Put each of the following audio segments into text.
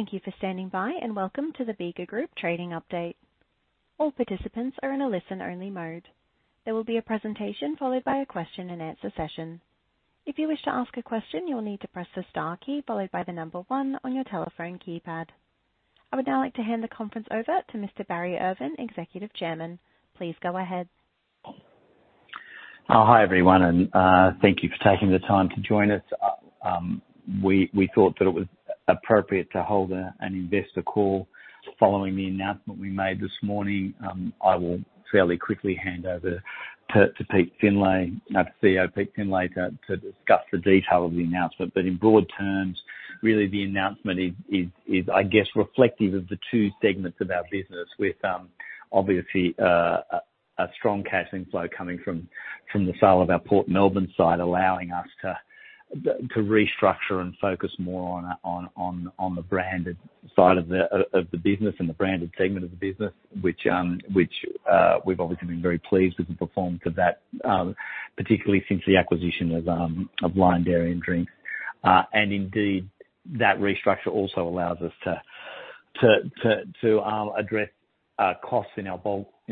Thank you for standing by, and welcome to the Bega Group Trading Update. All participants are in a listen-only mode. There will be a presentation followed by a question-and-answer session. If you wish to ask a question, you'll need to press the star key followed by the number one on your telephone keypad. I would now like to hand the conference over to Mr. Barry Irvin, Executive Chairman. Please go ahead. Oh, hi, everyone, thank you for taking the time to join us. We thought that it was appropriate to hold an investor call following the announcement we made this morning. I will fairly quickly hand over to Pete Findlay, our CEO, Pete Findlay, to discuss the detail of the announcement. In broad terms, really the announcement is I guess, reflective of the two segments of our business, with obviously a strong cash flow coming from the sale of our Port Melbourne site, allowing us to restructure and focus more on the branded side of the business and the branded segment of the business, which we've obviously been very pleased with the performance of that, particularly since the acquisition of Lion Dairy and Drinks. Indeed, that restructure also allows us to address costs in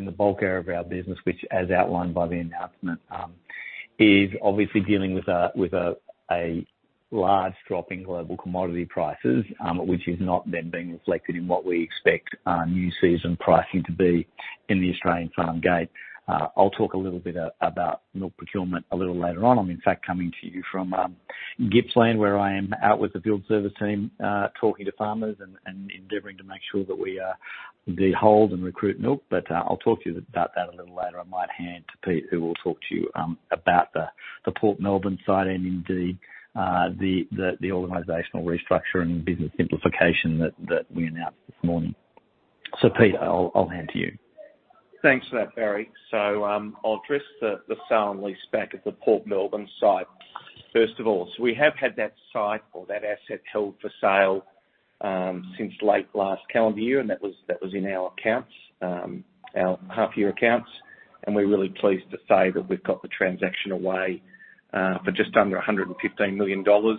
the bulk area of our business, which, as outlined by the announcement, is obviously dealing with a large drop in global commodity prices, which is not then being reflected in what we expect new season pricing to be in the Australian farm gate. I'll talk a little about milk procurement a little later on. I'm in fact coming to you from Gippsland, where I am out with the field service team, talking to farmers and endeavoring to make sure that we do hold and recruit milk. I'll talk to you about that a little later. I might hand to Pete, who will talk to you, about the Port Melbourne side and indeed, the organizational restructure and business simplification that we announced this morning. Pete, I'll hand to you. Thanks for that, Barry. I'll address the sale and leaseback at the Port Melbourne site, first of all. We have had that site or that asset held for sale since late last calendar year, and that was in our accounts, our half-year accounts, and we're really pleased to say that we've got the transaction away for just under 115 million dollars.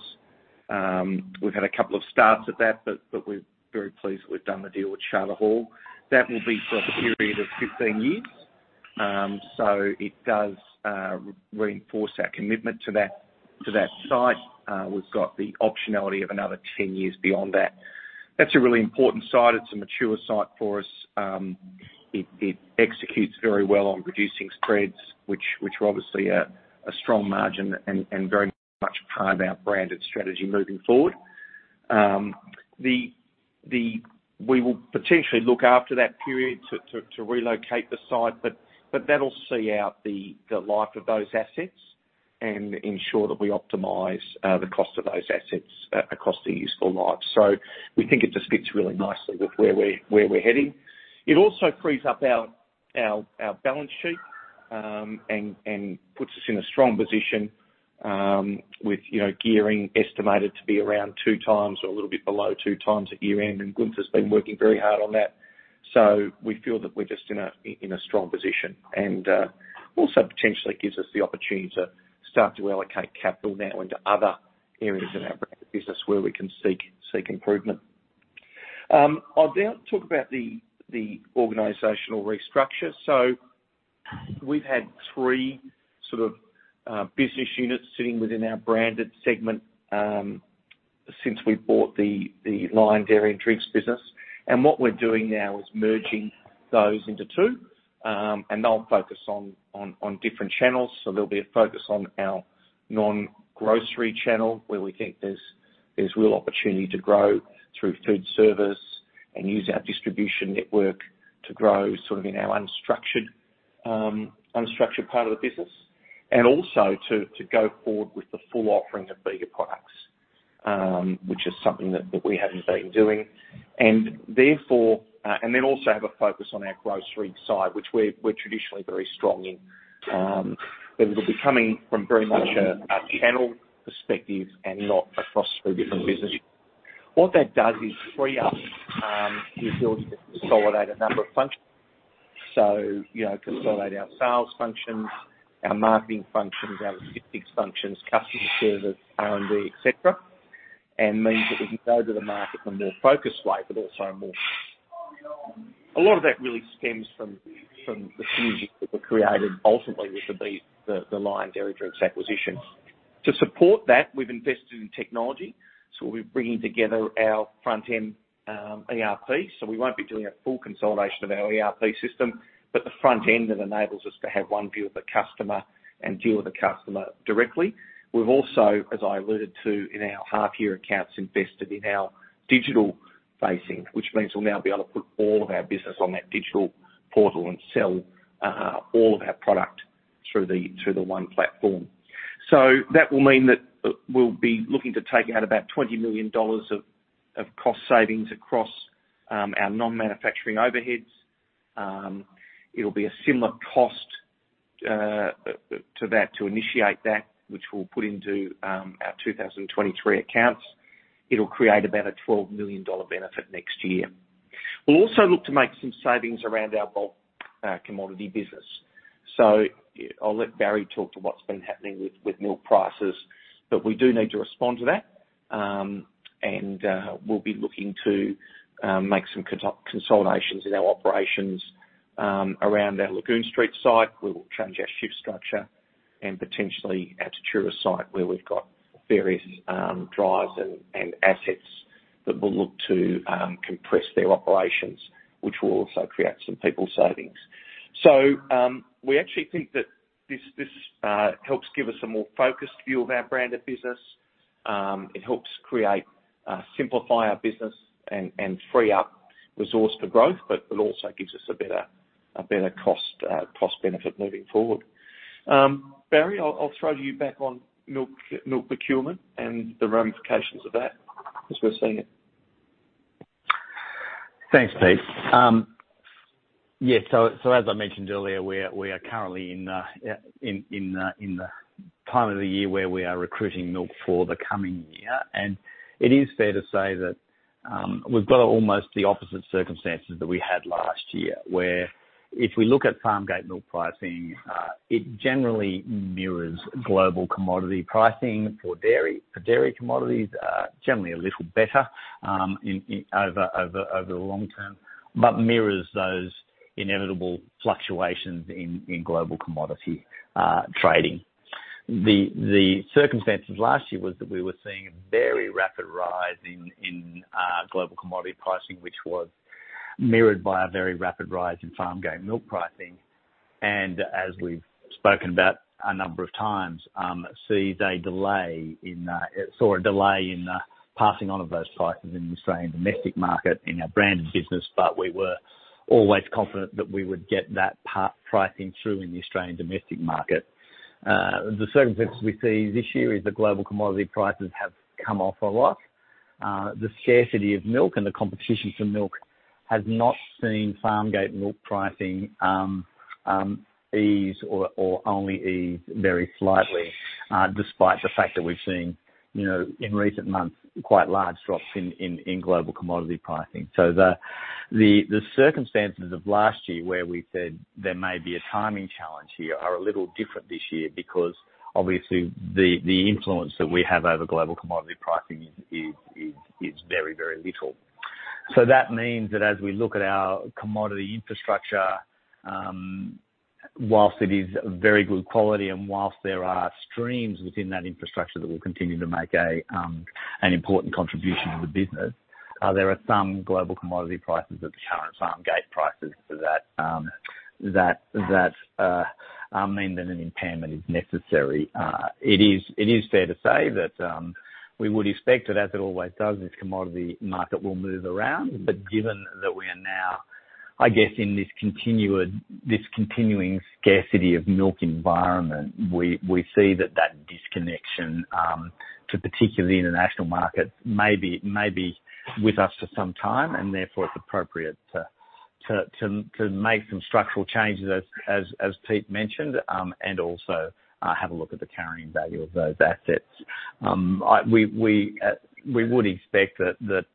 We've had a couple of starts at that, but we're very pleased that we've done the deal with Charter Hall. That will be for a period of 15 years. It does reinforce our commitment to that site. We've got the optionality of another 10 years beyond that. That's a really important site. It's a mature site for us. It executes very well on producing spreads, which are obviously a strong margin and very much part of our branded strategy moving forward. We will potentially look after that period to relocate the site, but that'll see out the life of those assets and ensure that we optimize the cost of those assets across their useful lives. We think it just fits really nicely with where we're heading. It also frees up our balance sheet and puts us in a strong position with, you know, gearing estimated to be around 2 times or a little bit below 2 times at year-end. Gunther's been working very hard on that. We feel that we're just in a, in a strong position, and also potentially gives us the opportunity to start to allocate capital now into other areas of our business where we can seek improvement. I'll now talk about the organizational restructure. We've had three sort of business units sitting within our branded segment since we bought the Lion Dairy and Drinks business. What we're doing now is merging those into two, and they'll focus on different channels. There'll be a focus on our non-grocery channel, where we think there's real opportunity to grow through food service and use our distribution network to grow sort of in our unstructured part of the business, and also to go forward with the full offering of Bega products, which is something that we haven't been doing. Then also have a focus on our grocery side, which we're traditionally very strong in. It'll be coming from very much a channel perspective and not across three different businesses. What that does is free up the ability to consolidate a number of functions. You know, consolidate our sales functions, our marketing functions, our logistics functions, customer service, R&D, et cetera, and means that we can go to the market in a more focused way, but also a more. A lot of that really stems from the synergies that were created ultimately with the Lion Dairy Drinks acquisition. To support that, we've invested in technology, so we'll be bringing together our front-end ERP. We won't be doing a full consolidation of our ERP system, but the front end, that enables us to have one view of the customer and deal with the customer directly. We've also, as I alluded to in our half-year accounts, invested in our digital facing, which means we'll now be able to put all of our business on that digital portal and sell all of our product through the one platform. That will mean that we'll be looking to take out about 20 million dollars of cost savings across our non-manufacturing overheads. It'll be a similar cost to that to initiate that, which we'll put into our 2023 accounts. It'll create about a 12 million dollar benefit next year. We'll also look to make some savings around our bulk commodity business. I'll let Barry talk to what's been happening with milk prices. We do need to respond to that, and we'll be looking to make some consolidations in our operations around our Lagoon Street site. We will change our shift structure and potentially our Tatura site, where we've got various drives and assets that will look to compress their operations, which will also create some people savings. We actually think that this helps give us a more focused view of our branded business. It helps create, simplify our business and free up resource for growth, but it also gives us a better cost benefit moving forward. Barry, I'll throw you back on milk procurement and the ramifications of that as we're seeing it. Thanks, Pete. Yes. As I mentioned earlier, we are currently in the time of the year where we are recruiting milk for the coming year. It is fair to say that we've got almost the opposite circumstances that we had last year, where if we look at farm gate milk pricing, it generally mirrors global commodity pricing for dairy. For dairy commodities, generally a little better in over the long term, but mirrors those inevitable fluctuations in global commodity trading. The circumstances last year was that we were seeing a very rapid rise in global commodity pricing, which was mirrored by a very rapid rise in farm gate milk pricing, and as we've spoken about a number of times, saw a delay in passing on of those prices in the Australian domestic market in our branded business, but we were always confident that we would get that pricing through in the Australian domestic market. The circumstances we see this year is the global commodity prices have come off a lot. The scarcity of milk and the competition for milk has not seen farm gate milk pricing ease or only ease very slightly, despite the fact that we've seen, you know, in recent months, quite large drops in global commodity pricing. The circumstances of last year, where we said there may be a timing challenge here, are a little different this year because, obviously, the influence that we have over global commodity pricing is very, very little. That means that as we look at our commodity infrastructure, whilst it is very good quality and whilst there are streams within that infrastructure that will continue to make an important contribution to the business, there are some global commodity prices at the current farm gate prices that mean that an impairment is necessary. It is fair to say that we would expect that, as it always does, this commodity market will move around. Given that we are now, I guess, in this continuing scarcity of milk environment, we see that disconnection, to particularly the international market, may be with us for some time. Therefore, it's appropriate to make some structural changes, as Pete mentioned, and also, have a look at the carrying value of those assets. We would expect that,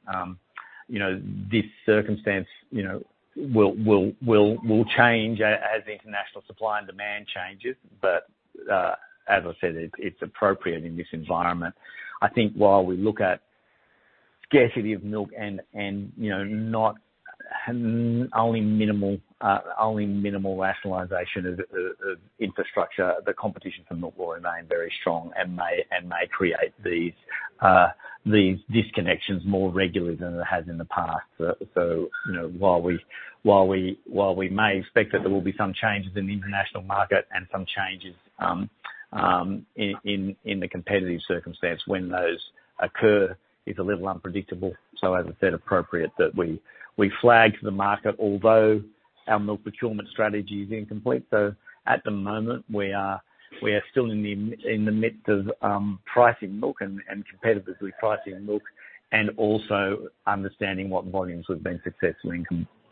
you know, this circumstance, you know, will change as the international supply and demand changes. As I said, it's appropriate in this environment. I think while we look at scarcity of milk and, you know, not... Only minimal rationalization of infrastructure, the competition for milk will remain very strong and may create these disconnections more regularly than it has in the past. You know, while we may expect that there will be some changes in the international market and some changes in the competitive circumstance, when those occur is a little unpredictable. As I said, appropriate that we flag to the market, although our milk procurement strategy is incomplete. At the moment, we are still in the midst of pricing milk and competitively pricing milk, and also understanding what volumes we've been successful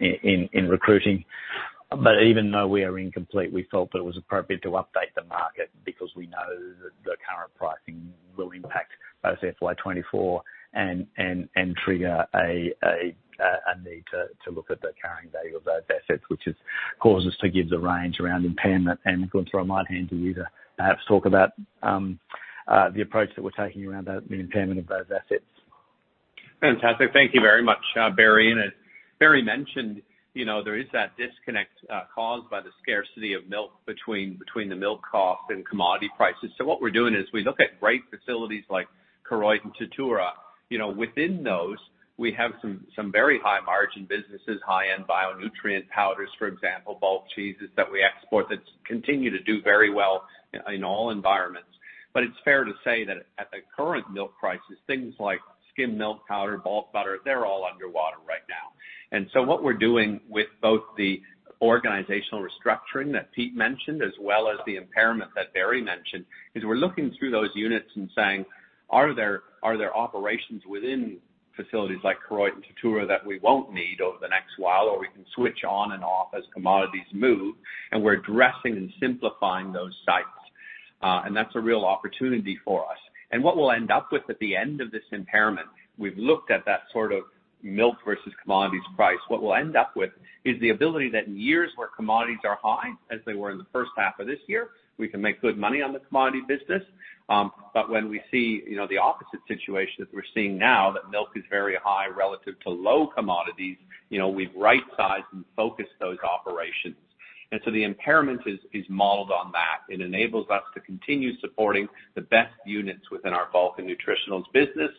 in recruiting. Even though we are incomplete, we felt that it was appropriate to update the market because we know that the current pricing will impact both FY2024 and trigger a need to look at the carrying value of those assets, which causes us to give the range around impairment. I'm going to throw my hand to you to perhaps talk about the approach that we're taking around the impairment of those assets. Fantastic. Thank you very much, Barry. As Barry mentioned, you know, there is that disconnect caused by the scarcity of milk between the milk cost and commodity prices. What we're doing is we look at great facilities like Koroit and Tatura. You know, within those, we have some very high margin businesses, high-end bionutrient powders, for example, bulk cheeses that we export that continue to do very well in all environments. It's fair to say that at the current milk prices, things like skim milk powder, bulk butter, they're all underwater right now. What we're doing with both the organizational restructuring that Pete mentioned, as well as the impairment that Barry mentioned, is we're looking through those units and saying: Are there operations within facilities like Koroit and Tatura that we won't need over the next while, or we can switch on and off as commodities move? We're addressing and simplifying those sites.... that's a real opportunity for us. What we'll end up with at the end of this impairment, we've looked at that sort of milk versus commodities price. What we'll end up with is the ability that in years where commodities are high, as they were in the first half of this year, we can make good money on the commodity business. When we see, you know, the opposite situation that we're seeing now, that milk is very high relative to low commodities, you know, we've right-sized and focused those operations. The impairment is modeled on that. It enables us to continue supporting the best units within our Bulk and Nutritionals business,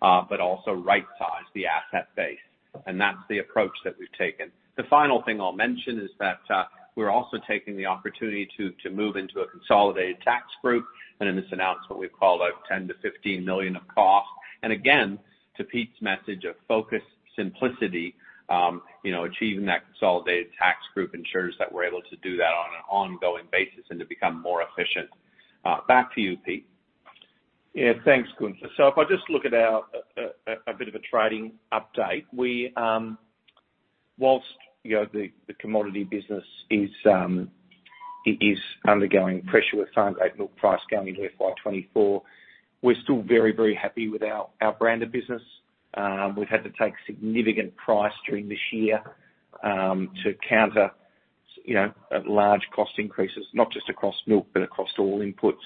but also right-size the asset base, that's the approach that we've taken. The final thing I'll mention is that, we're also taking the opportunity to move into a consolidated tax group, and in this announcement, we've called out 10 million-15 million of costs. Again, to Pete's message of focus, simplicity, you know, achieving that consolidated tax group ensures that we're able to do that on an ongoing basis and to become more efficient. Back to you, Pete. Yeah, thanks, Gunther. If I just look at our a bit of a trading update, whilst, you know, the commodity business is it is undergoing pressure with farm gate milk price going into FY2024, we're still very, very happy with our branded business. We've had to take significant price during this year to counter, you know, large cost increases, not just across milk, but across all inputs.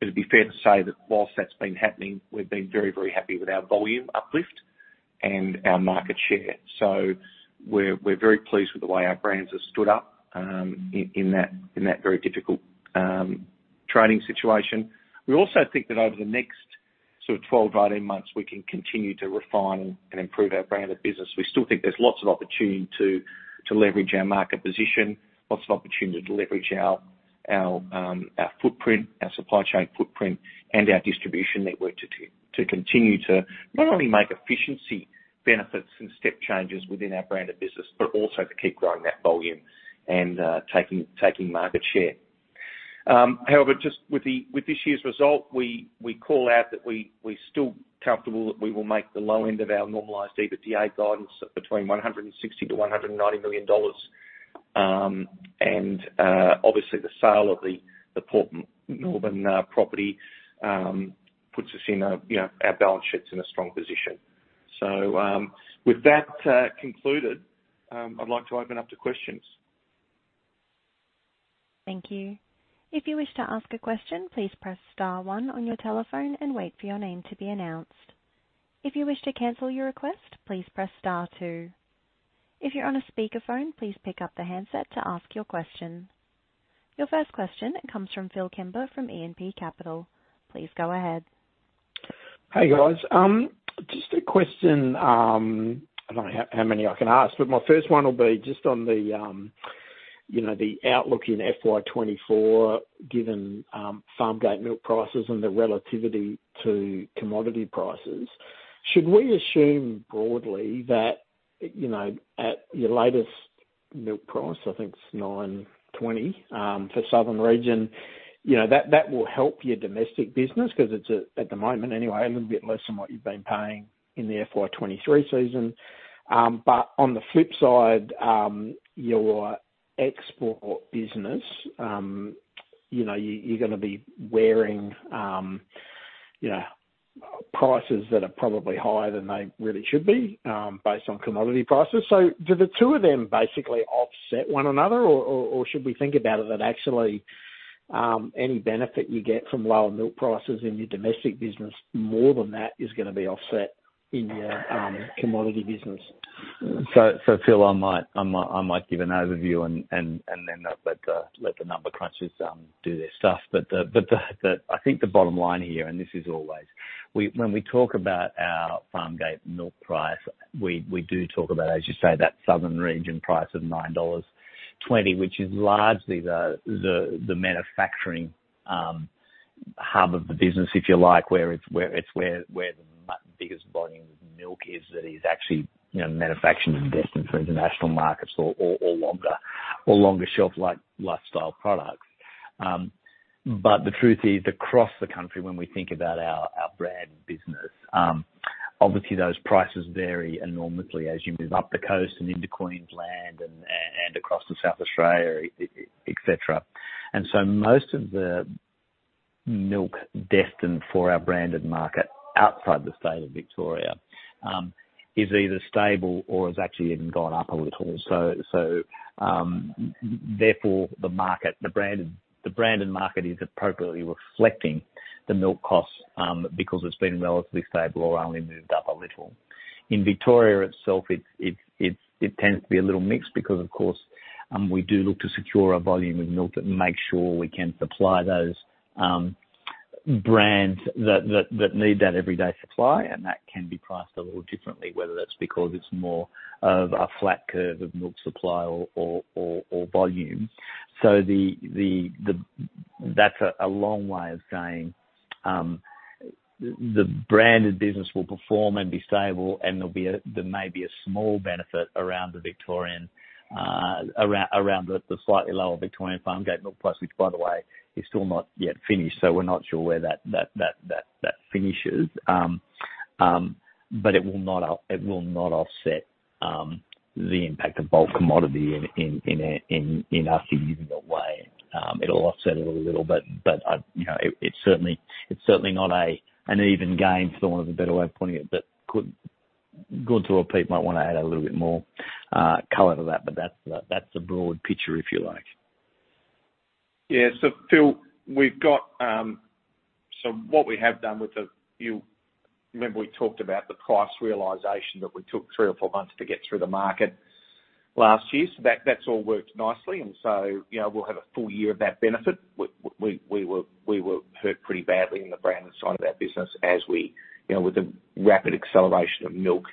It'd be fair to say that whilst that's been happening, we've been very, very happy with our volume uplift and our market share. We're very pleased with the way our brands have stood up in that very difficult trading situation. We also think that over the next sort of 12-18 months, we can continue to refine and improve our brand of business. We still think there's lots of opportunity to leverage our market position, lots of opportunity to leverage our footprint, our supply chain footprint, and our distribution network to continue to not only make efficiency benefits and step changes within our branded business, but also to keep growing that volume and taking market share. However, just with the, with this year's result, we call out that we're still comfortable that we will make the low end of our normalized EBITDA guidance of between 160 million-190 million dollars. Obviously, the sale of the Port Melbourne property puts us in a, you know, our balance sheet's in a strong position. With that concluded, I'd like to open up to questions. Thank you. If you wish to ask a question, please press star 1 on your telephone and wait for your name to be announced. If you wish to cancel your request, please press star 2. If you're on a speakerphone, please pick up the handset to ask your question. Your first question comes from Phillip Kimber, from E&P Capital. Please go ahead. Hey, guys. Just a question, I don't know how many I can ask, but my first one will be just on the, you know, the outlook in FY2024, given farm gate milk prices and the relativity to commodity prices. Should we assume broadly that, you know, at your latest milk price, I think it's 9.20 for southern region, you know, that will help your domestic business because it's at the moment anyway, a little bit less than what you've been paying in the FY2023 season. On the flip side, your export business, you know, you're gonna be wearing, you know, prices that are probably higher than they really should be, based on commodity prices. Do the two of them basically offset one another? Should we think about it that actually, any benefit you get from lower milk prices in your domestic business, more than that is gonna be offset in your commodity business? Phil, I might give an overview and then let the number crunchers do their stuff. I think the bottom line here, and this is always, when we talk about our farm gate milk price, we do talk about, as you say, that southern region price of 9.20 dollars, which is largely the manufacturing hub of the business, if you like, where the biggest volume of milk is, that is actually, you know, manufactured and destined for international markets or longer lifestyle products. The truth is, across the country, when we think about our brand business, obviously, those prices vary enormously as you move up the coast and into Queensland and across to South Australia, et cetera. Most of the milk destined for our branded market outside the state of Victoria, is either stable or has actually even gone up a little. Therefore, the market, the branded market is appropriately reflecting the milk costs, because it's been relatively stable or only moved up a little. In Victoria itself, it tends to be a little mixed because, of course, we do look to secure a volume of milk that makes sure we can supply those brands that need that everyday supply, and that can be priced a little differently, whether that's because it's more of a flat curve of milk supply or volume. That's a long way of saying, the branded business will perform and be stable, and there may be a small benefit around the Victorian farm gate milk price, which, by the way, is still not yet finished. We're not sure where that finishes.... it will not offset the impact of bulk commodity in Aussie either way. It'll offset it a little bit, I, you know, it's certainly not a an even gain, for want of a better way of putting it, good to what Pete might wanna add a little bit more color to that's the, that's the broad picture, if you like. Phil, we've got what we have done with the, you remember we talked about the price realization that we took three or four months to get through the market last year. That, that's all worked nicely, and, you know, we'll have a full year of that benefit. We were hurt pretty badly in the branded side of our business as we, you know, with the rapid acceleration of milk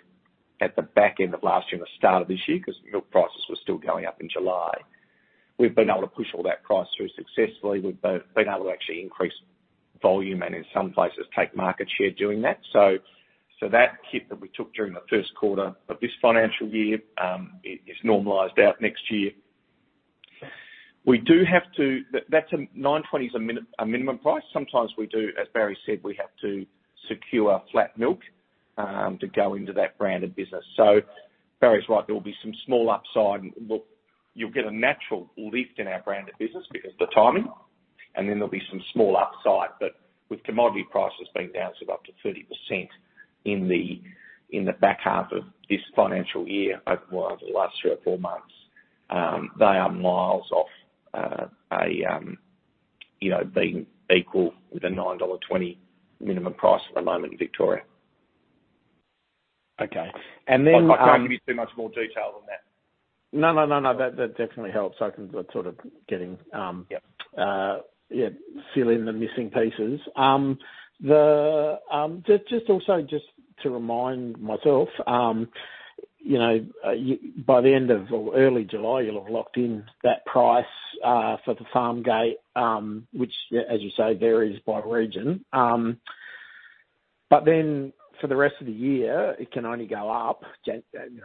at the back end of last year and the start of this year, 'cause milk prices were still going up in July. We've been able to push all that price through successfully. We've been able to actually increase volume and in some places take market share doing that. That hit that we took during the 1st quarter of this financial year, it is normalized out next year. That's a 9.20 is a minimum price. Sometimes we do, as Barry said, we have to secure flat milk to go into that branded business. Barry's right, there will be some small upside. You'll get a natural lift in our branded business because the timing, and then there'll be some small upside. With commodity prices being down sort of up to 30% in the back half of this financial year, over, well, over the last 3 or 4 months, they are miles off, a, you know, being equal with a 9.20 dollar minimum price at the moment in Victoria. Okay. I can't give you too much more detail than that. No, no, no, that definitely helps. I can sort of getting. Yep. Yeah, fill in the missing pieces. The, just also just to remind myself, you know, by the end of early July, you'll have locked in that price for the farmgate, which as you say, varies by region. For the rest of the year, it can only go up, Jan, you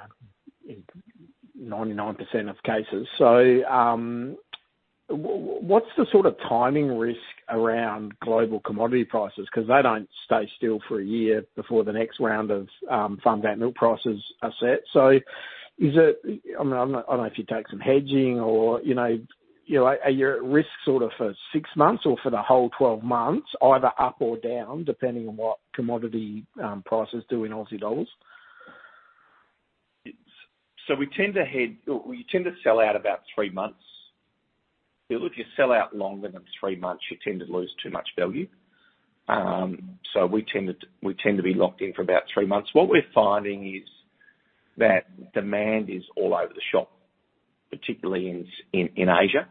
know, in 99% of cases. What's the sort of timing risk around global commodity prices? 'Cause they don't stay still for a year before the next round of, farmgate milk prices are set. Is it, I mean, I'm not, I don't know if you take some hedging or, you know, are you at risk sort of for six months or for the whole 12 months, either up or down, depending on what commodity, prices do in Aussie dollars? We tend to sell out about 3 months. If you sell out longer than 3 months, you tend to lose too much value. We tend to be locked in for about 3 months. What we're finding is that demand is all over the shop, particularly in Asia.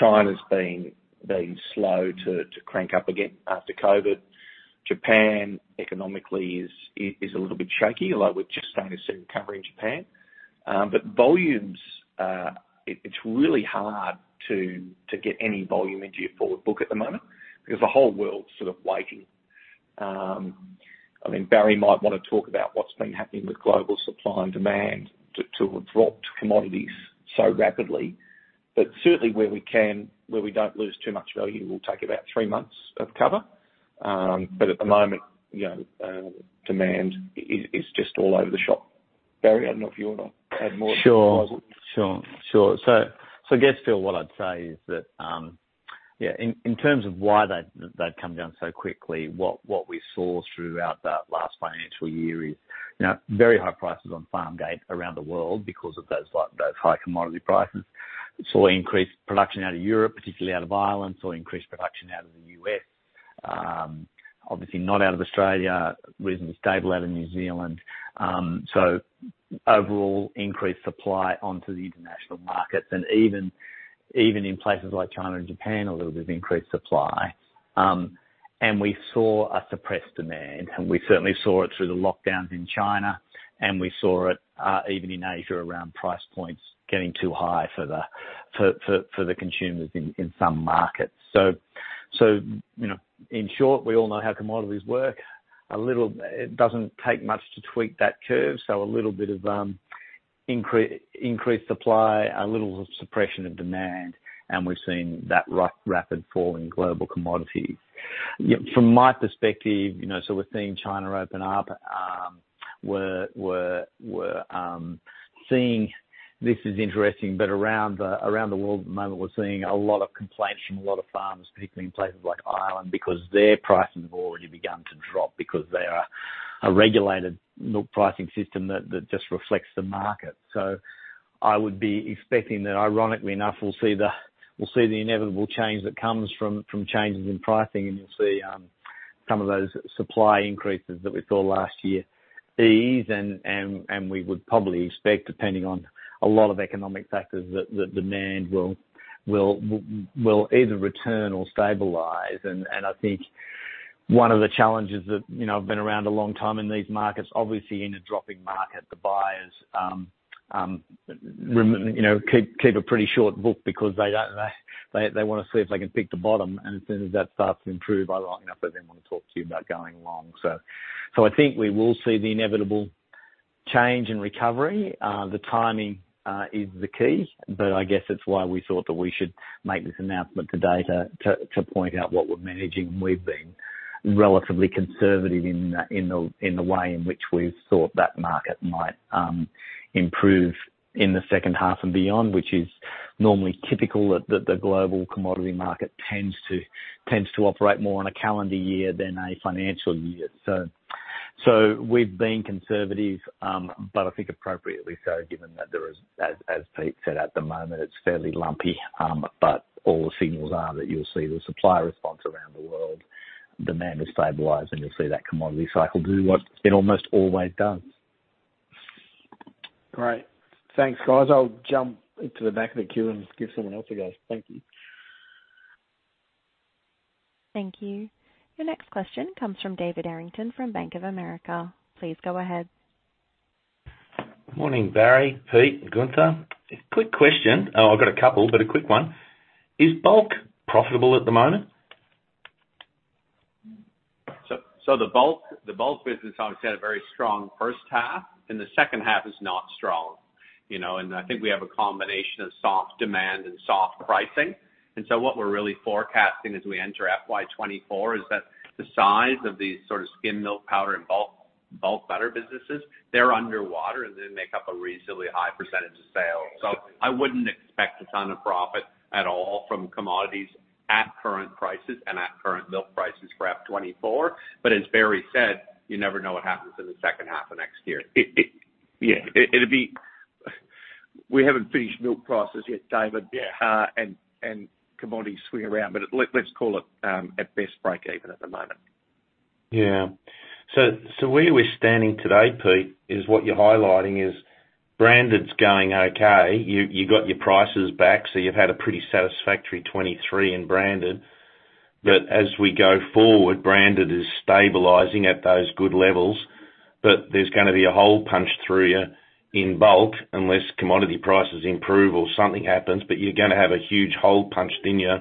China's been slow to crank up again after COVID. Japan, economically is a little bit shaky, although we're just starting to see recovery in Japan. Volumes, it's really hard to get any volume into your forward book at the moment because the whole world's sort of waiting. I mean, Barry might want to talk about what's been happening with global supply and demand to have dropped commodities so rapidly, but certainly where we can, where we don't lose too much value, we'll take about three months of cover. At the moment, you know, demand is just all over the shop. Barry, I don't know if you wanna add more? Sure. Sure, sure. So I guess, Phil, what I'd say is that, yeah, in terms of why they've come down so quickly, what we saw throughout that last financial year is, you know, very high prices on farmgate around the world because of those like, those high commodity prices. Saw increased production out of Europe, particularly out of Ireland, saw increased production out of the US. Obviously not out of Australia, reasonably stable out of New Zealand. Overall increased supply onto the international markets, even in places like China and Japan, a little bit of increased supply. We saw a suppressed demand, and we certainly saw it through the lockdowns in China, and we saw it even in Asia, around price points getting too high for the consumers in some markets. You know, in short, we all know how commodities work. It doesn't take much to tweak that curve, so a little bit of increased supply, a little suppression of demand, and we've seen that rapid fall in global commodities. From my perspective, you know, we're seeing China open up. We're seeing. This is interesting, around the world at the moment, we're seeing a lot of complaints from a lot of farmers, particularly in places like Ireland, because their pricing has already begun to drop because they are a regulated milk pricing system that just reflects the market. I would be expecting that, ironically enough, we'll see the inevitable change that comes from changes in pricing, and you'll see some of those supply increases that we saw last year ease, and we would probably expect, depending on a lot of economic factors, that the demand will either return or stabilize. I think one of the challenges that, you know, I've been around a long time in these markets, obviously in a dropping market, the buyers, you know, keep a pretty short book because they don't wanna see if they can pick the bottom, and as soon as that starts to improve, ironically enough, they then wanna talk to you about going long. I think we will see the inevitable. change and recovery, the timing is the key, but I guess it's why we thought that we should make this announcement today to point out what we're managing. We've been relatively conservative in the way in which we've thought that market might improve in the second half and beyond, which is normally typical, that the global commodity market tends to operate more on a calendar year than a financial year. We've been conservative, but I think appropriately so, given that there is, as Pete said, at the moment, it's fairly lumpy. All the signals are that you'll see the supply response around the world. Demand is stabilizing, you'll see that commodity cycle do what it almost always does. Great! Thanks, guys. I'll jump into the back of the queue and give someone else a go. Thank you. Thank you. Your next question comes from David Errington from Bank of America. Please go ahead. Morning, Barry, Pete, Gunther. A quick question, I've got a couple, but a quick one: Is bulk profitable at the moment? The bulk business obviously had a very strong first half, and the second half is not strong. You know, I think we have a combination of soft demand and soft pricing. What we're really forecasting as we enter FY2024, is that the size of these sort of skim milk powder and bulk butter businesses, they're underwater, and they make up a reasonably high percentage of sales. I wouldn't expect a ton of profit at all from commodities at current prices and at current milk prices for FY2024. As Barry said, you never know what happens in the second half of next year. Yeah, We haven't finished milk prices yet, David. Yeah. Commodities swing around, but let's call it, at best, break even at the moment. Yeah. So, where we're standing today, Pete, is what you're highlighting is branded's going okay. You got your prices back, so you've had a pretty satisfactory FY2023 in branded. As we go forward, branded is stabilizing at those good levels, but there's gonna be a hole punched through you in bulk unless commodity prices improve or something happens, but you're gonna have a huge hole punched in you,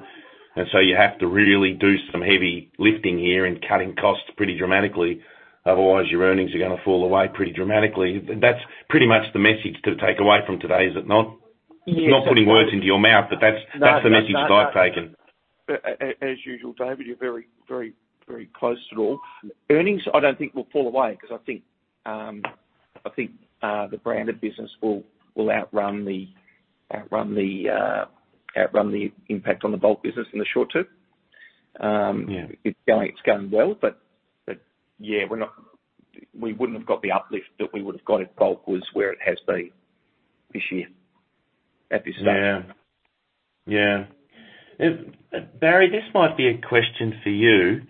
and so you have to really do some heavy lifting here and cutting costs pretty dramatically. Otherwise, your earnings are gonna fall away pretty dramatically. That's pretty much the message to take away from today, is it not? Yes. I'm not putting words into your mouth, but that's- No. That's the message that I've taken. As usual, David, you're very, very, very close to it all. Earnings, I don't think will fall away because I think the branded business will outrun the impact on the bulk business in the short term. Yeah. It's going well, but yeah, we wouldn't have got the uplift that we would have got if bulk was where it has been this year, at this stage. Yeah. Yeah. Barry, this might be a question for you.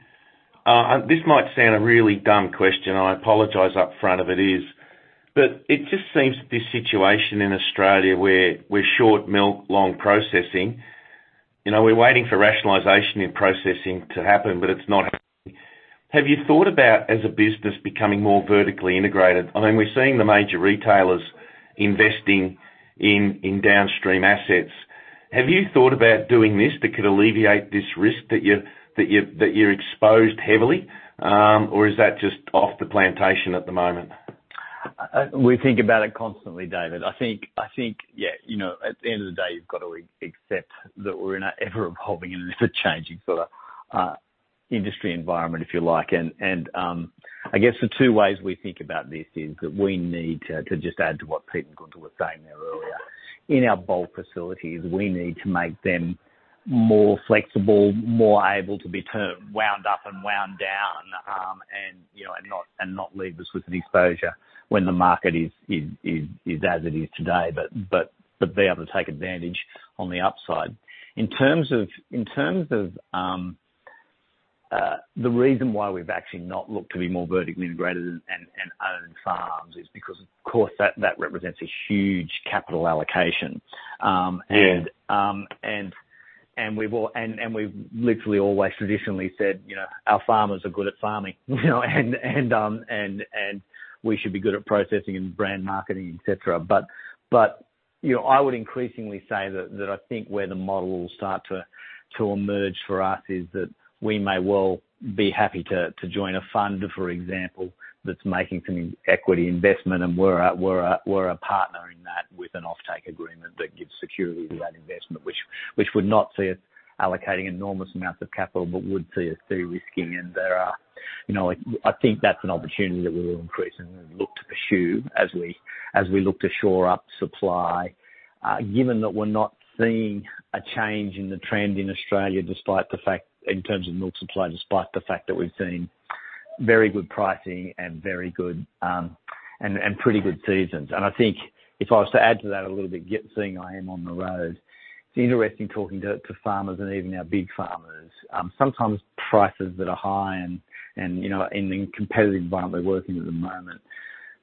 This might sound a really dumb question, and I apologize upfront if it is, but it just seems that this situation in Australia where we're short milk, long processing, you know, we're waiting for rationalization in processing to happen, but it's not happening. Have you thought about, as a business, becoming more vertically integrated? I mean, we're seeing the major retailers investing in downstream assets. Have you thought about doing this, that could alleviate this risk that you're exposed heavily, or is that just off the plantation at the moment? We think about it constantly, David. I think, yeah, you know, at the end of the day, you've got to accept that we're in an ever-evolving and ever-changing sort of, industry environment, if you like. I guess the two ways we think about this is that we need to just add to what Pete and Gunther were saying there earlier, in our bulk facilities, we need to make them more flexible, more able to be turned, wound up and wound down, and, you know, and not leave us with an exposure when the market is as it is today, but be able to take advantage on the upside. In terms of the reason why we've actually not looked to be more vertically integrated and own farms is because, of course, that represents a huge capital allocation. Yeah. We've literally always traditionally said, you know, our farmers are good at farming, you know, we should be good at processing and brand marketing, et cetera. You know, I would increasingly say that I think where the model will start to emerge for us, is that we may well be happy to join a fund, for example, that's making some equity investment. We're a partner in that with an offtake agreement that gives security to that investment, which would not see us allocating enormous amounts of capital, but would see us de-risking. There are, you know, I think that's an opportunity that we will increasingly look to pursue as we look to shore up supply. Given that we're not seeing a change in the trend in Australia, in terms of milk supply, despite the fact that we've seen very good pricing and very good and pretty good seasons. I think if I was to add to that a little bit, yet seeing I am on the road, it's interesting talking to farmers and even our big farmers, sometimes prices that are high and, you know, in the competitive environment they're working at the moment,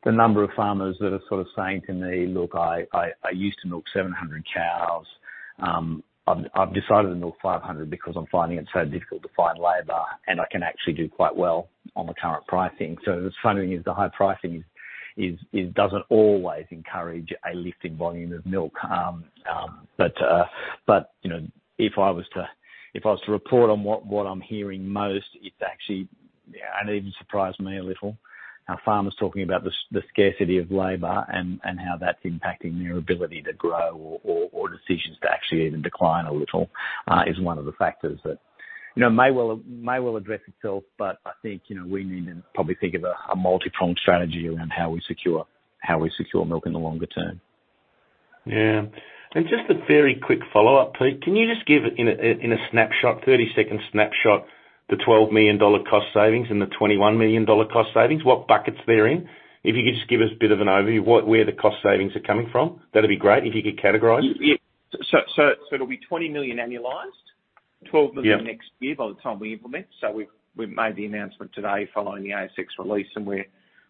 the number of farmers that are sort of saying to me, "Look, I used to milk 700 cows, I've decided to milk 500 because I'm finding it so difficult to find labor, and I can actually do quite well on the current pricing." The funny thing is, the high pricing is doesn't always encourage a lift in volume of milk. You know, if I was to report on what I'm hearing most, it's actually. ... Yeah, even surprised me a little, how farmers talking about the scarcity of labor and how that's impacting their ability to grow or decisions to actually even decline a little, is one of the factors that, you know, may well address itself. I think, you know, we need to probably think of a multipronged strategy around how we secure milk in the longer term. Yeah. Just a very quick follow-up, Pete, can you just give in a snapshot, 30-second snapshot, the 12 million dollar cost savings and the 21 million dollar cost savings, what buckets they're in? If you could just give us a bit of an overview, what, where the cost savings are coming from, that'd be great, if you could categorize. Yeah. it'll be 20 million annualized, 12 million- Yeah... next year by the time we implement. We've made the announcement today following the ASX release, and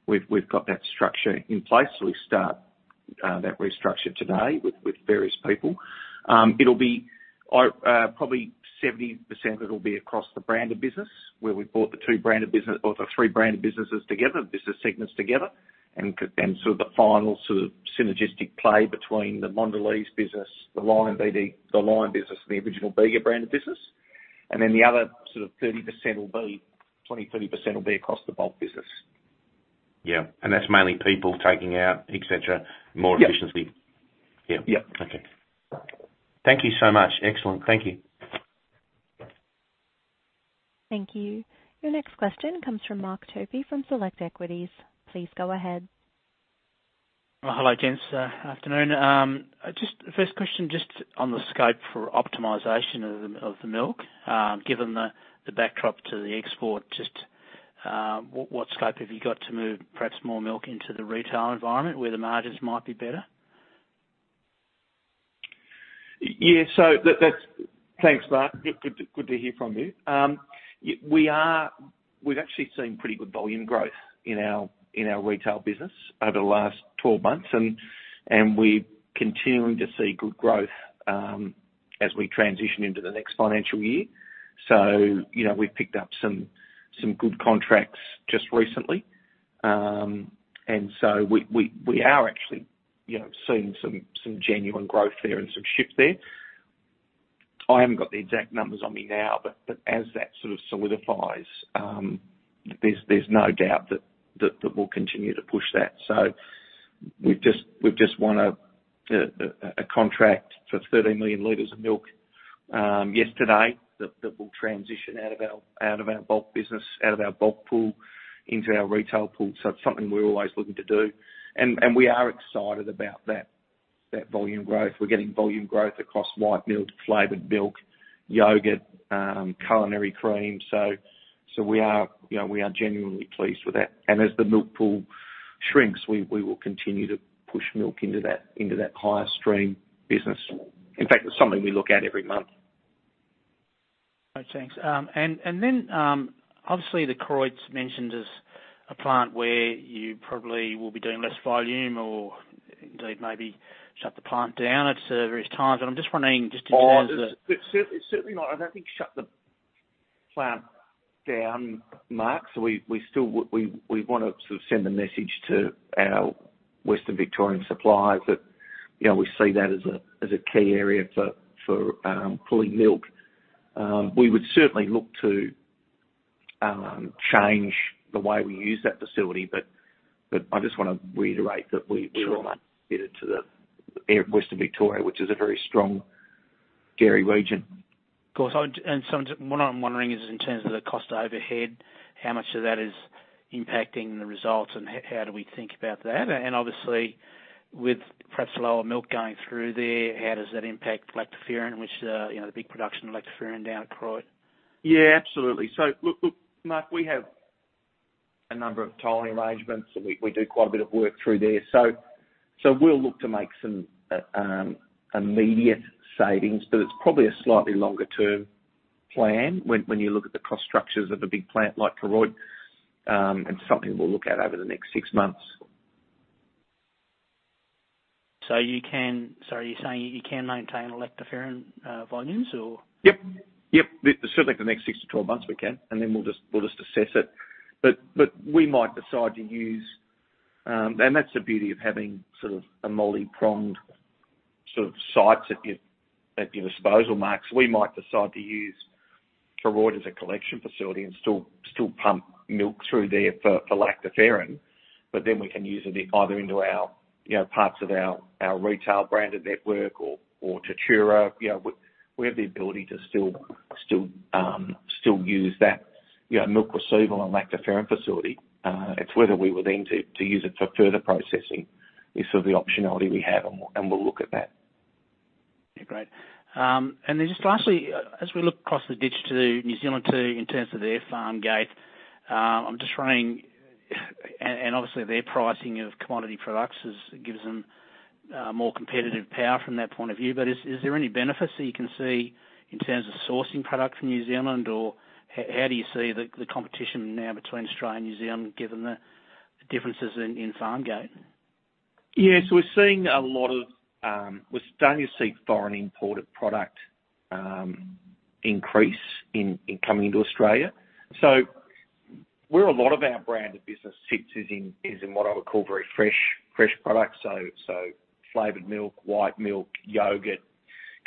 we've got that structure in place. We start that restructure today with various people. It'll be probably 70%, it'll be across the branded business, where we've brought the two branded business or the three branded businesses together, business segments together, and so the final sort of synergistic play between the Mondelez business, the Lion D&D, the Lion business, and the original Bega branded business. The other sort of 30% will be, 20%, 30% will be across the bulk business. Yeah, that's mainly people taking out, et cetera, more efficiency. Yeah. Yeah. Yeah. Okay. Thank you so much. Excellent. Thank you. Thank you. Your next question comes from Mark Topy from Select Equities. Please go ahead. Well, hello, gents. Afternoon. Just first question, just on the scope for optimization of the milk. Given the backdrop to the export, just, what scope have you got to move perhaps more milk into the retail environment where the margins might be better? Yeah, that's. Thanks, Mark. Good to hear from you. We've actually seen pretty good volume growth in our retail business over the last 12 months, and we're continuing to see good growth as we transition into the next financial year. You know, we've picked up some good contracts just recently. We are actually, you know, seeing some genuine growth there and some shift there. I haven't got the exact numbers on me now, but as that sort of solidifies, there's no doubt that we'll continue to push that. We've just won a contract for 13 million liters of milk yesterday that will transition out of our bulk business, out of our bulk pool into our retail pool. It's something we're always looking to do, and we are excited about that volume growth. We're getting volume growth across white milk, flavored milk, yogurt, culinary cream. We are, you know, we are genuinely pleased with that. As the milk pool shrinks, we will continue to push milk into that higher stream business. In fact, it's something we look at every month. Oh, thanks. Then, obviously, the Koroit's mentioned as a plant where you probably will be doing less volume or indeed maybe shut the plant down at various times. I'm just wondering. It's certainly not, I don't think, shut the plant down, Mark. We still wanna sort of send a message to our Western Victorian suppliers that, you know, we see that as a, as a key area for cooling milk. We would certainly look to change the way we use that facility, but I just wanna reiterate that we. Sure are committed to the area of Western Victoria, which is a very strong dairy region. Of course. What I'm wondering is in terms of the cost overhead, how much of that is impacting the results and how do we think about that? Obviously, with perhaps lower milk going through there, how does that impact lactoferrin, which, you know, the big production of lactoferrin down at Koroit? Yeah, absolutely. look, Mark, we have a number of tolling arrangements, and we do quite a bit of work through there. We'll look to make some immediate savings, but it's probably a slightly longer-term plan when you look at the cost structures of a big plant like Koroit, and something we'll look at over the next six months. Are you saying you can maintain lactoferrin volumes or? Yep, yep. Certainly, for the next 6-12 months, we can, and then we'll just assess it. We might decide to use. That's the beauty of having sort of a multi-pronged sort of sites at your, at your disposal, Mark. We might decide to use Koroit as a collection facility and still pump milk through there for lactoferrin, but then we can use it either into our, you know, parts of our retail branded network or Tatura. You know, we have the ability to still use that, you know, milk receivable and lactoferrin facility. It's whether we will then to use it for further processing is sort of the optionality we have, and we'll look at that. Yeah, great. Then just lastly, as we look across the ditch to New Zealand, too, in terms of their farm gate, I'm just wondering, and obviously, their pricing of commodity products gives them more competitive power from their point of view, but is there any benefits that you can see in terms of sourcing product from New Zealand, or how do you see the competition now between Australia and New Zealand, given the differences in farm gate? Yes, we're seeing a lot of, we're starting to see foreign imported product increase in coming into Australia. Where a lot of our branded business sits is in what I would call very fresh products, so flavored milk, white milk, yogurt.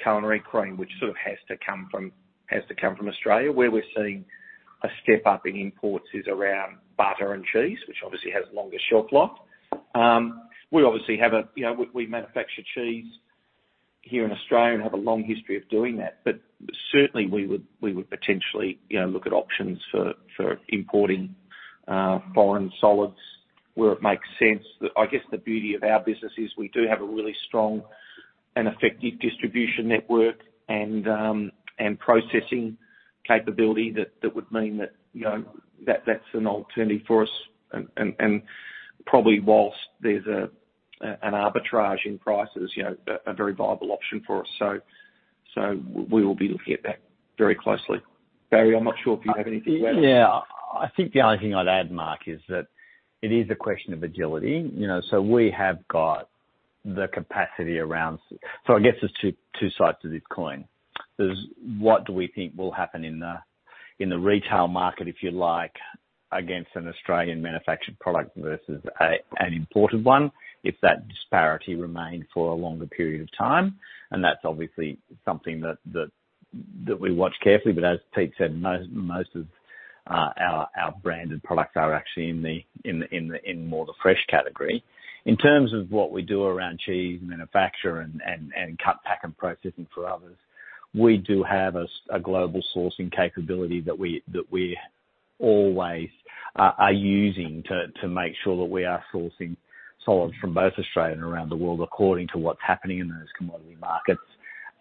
Culinary cream, which sort of has to come from Australia. We obviously have a, you know, we manufacture cheese here in Australia and have a long history of doing that. Certainly, we would potentially, you know, look at options for importing foreign solids where it makes sense. I guess the beauty of our business is we do have a really strong and effective distribution network and processing capability that would mean that, you know, that's an alternative for us. And probably whilst there's an arbitrage in prices, you know, a very viable option for us. We will be looking at that very closely. Barry, I'm not sure if you have anything to add? Yeah. I think the only thing I'd add, Mark, is that it is a question of agility, you know. We have got the capacity. I guess there's two sides to this coin. There's, what do we think will happen in the retail market, if you like, against an Australian-manufactured product versus an imported one, if that disparity remained for a longer period of time? That's obviously something that we watch carefully. As Pete said, most of our branded products are actually in more the fresh category. In terms of what we do around cheese manufacture and cut, pack, and processing for others, we do have a global sourcing capability that we always are using to make sure that we are sourcing solids from both Australia and around the world according to what's happening in those commodity markets.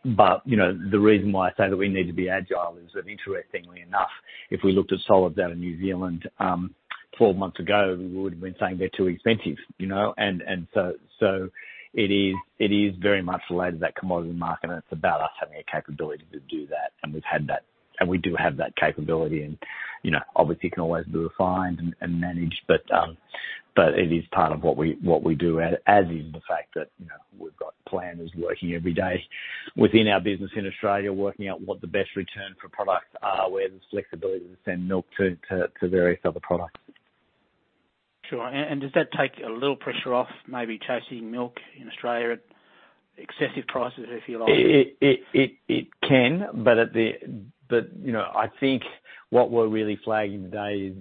The reason why I say that we need to be agile is that, interestingly enough, if we looked at solids out of New Zealand, 12 months ago, we would've been saying, "They're too expensive," you know? It is very much related to that commodity market, and it's about us having a capability to do that, and we do have that capability. You know, obviously, you can always do a fine and manage, but it is part of what we do, as is the fact that, you know, we've got planners working every day within our business in Australia, working out what the best return for products are, where there's flexibility to send milk to various other products. Sure. Does that take a little pressure off, maybe chasing milk in Australia at excessive prices, if you like? It can, you know, I think what we're really flagging today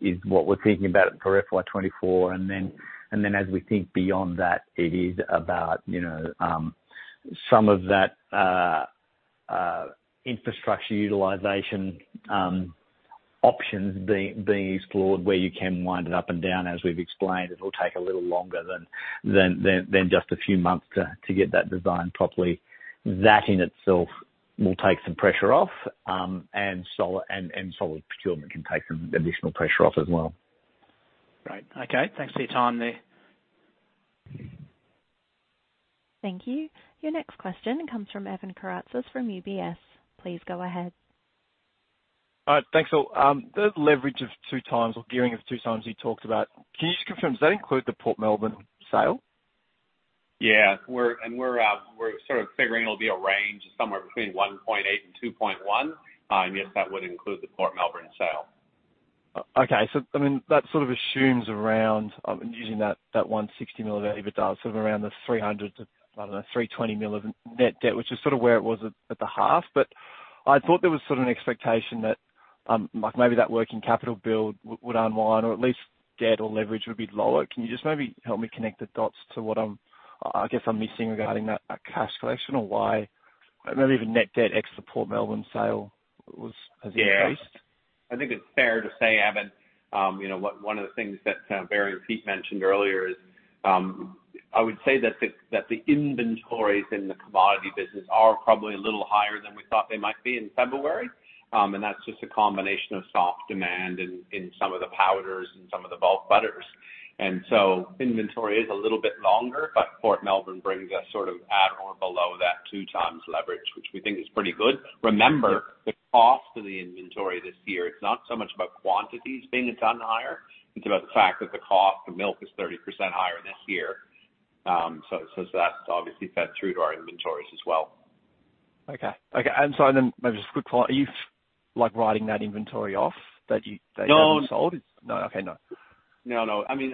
is what we're thinking about for FY2024. As we think beyond that, it is about, you know, some of that infrastructure utilization options being explored, where you can wind it up and down. As we've explained, it'll take a little longer than just a few months to get that designed properly. That in itself will take some pressure off, and solid procurement can take some additional pressure off as well. Great. Okay, thanks for your time there. Thank you. Your next question comes from Evan Karatzas, from UBS. Please go ahead. Thanks, all. The leverage of 2 times or gearing of 2 times you talked about, can you just confirm, does that include the Port Melbourne sale? Yeah, we're sort of figuring it'll be a range somewhere between 1.8 and 2.1. Yes, that would include the Port Melbourne sale. Okay. I mean, that sort of assumes around using that 160 million EBITDA, sort of around the 300 million-320 million of net debt, which is sort of where it was at the half. I thought there was sort of an expectation that, like, maybe that working capital build would unwind, or at least debt or leverage would be lower. Can you just maybe help me connect the dots to what I guess I'm missing regarding that cash collection, or why maybe even net debt ex the Port Melbourne sale was, has increased? Yeah. I think it's fair to say, Evan, you know, one of the things that Barry and Pete mentioned earlier is, I would say that the inventories in the commodity business are probably a little higher than we thought they might be in February. That's just a combination of soft demand in some of the powders and some of the bulk butters. So inventory is a little bit longer, but Port Melbourne brings us sort of at or below that 2 times leverage, which we think is pretty good. Remember, the cost of the inventory this year, it's not so much about quantities being a ton higher. It's about the fact that the cost of milk is 30% higher this year. That's obviously fed through to our inventories as well. Okay. Okay, sorry, maybe just a quick follow-up: Are you, like, writing that inventory off that you haven't sold? No. No, okay. No. No, no. I mean,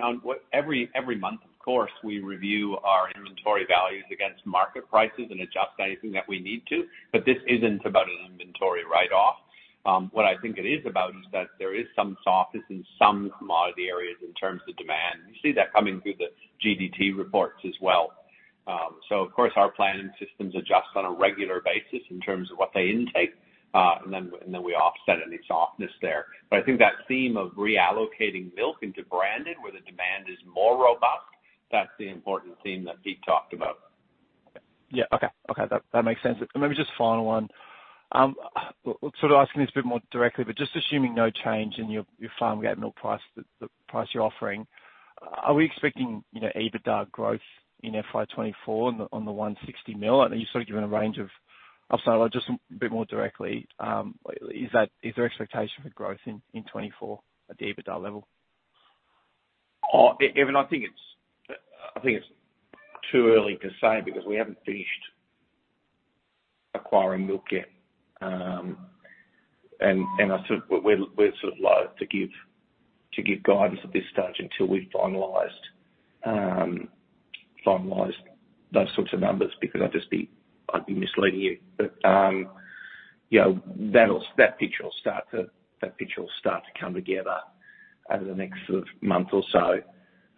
every month, of course, we review our inventory values against market prices and adjust anything that we need to, but this isn't about an inventory write-off. What I think it is about is that there is some softness in some commodity areas in terms of demand. You see that coming through the GDT reports as well. Of course, our planning systems adjust on a regular basis in terms of what they intake, and then we offset any softness there. I think that theme of reallocating milk into branded, where the demand is more robust, that's the important theme that Pete talked about. Yeah. Okay. Okay, that makes sense. Maybe just a final one. Sort of asking this a bit more directly, but just assuming no change in your farm gate milk price, the price you're offering, are we expecting, you know, EBITDA growth in FY2024 on the 160 million? I know you've sort of given a range of... I'll start just a bit more directly, is there expectation for growth in 2024 at the EBITDA level? Evan, I think it's too early to say because we haven't finished acquiring milk yet. I sort of, we're sort of loathe to give guidance at this stage until we've finalized those sorts of numbers, because I'd be misleading you. you know, that picture will start to come together over the next sort of month or so.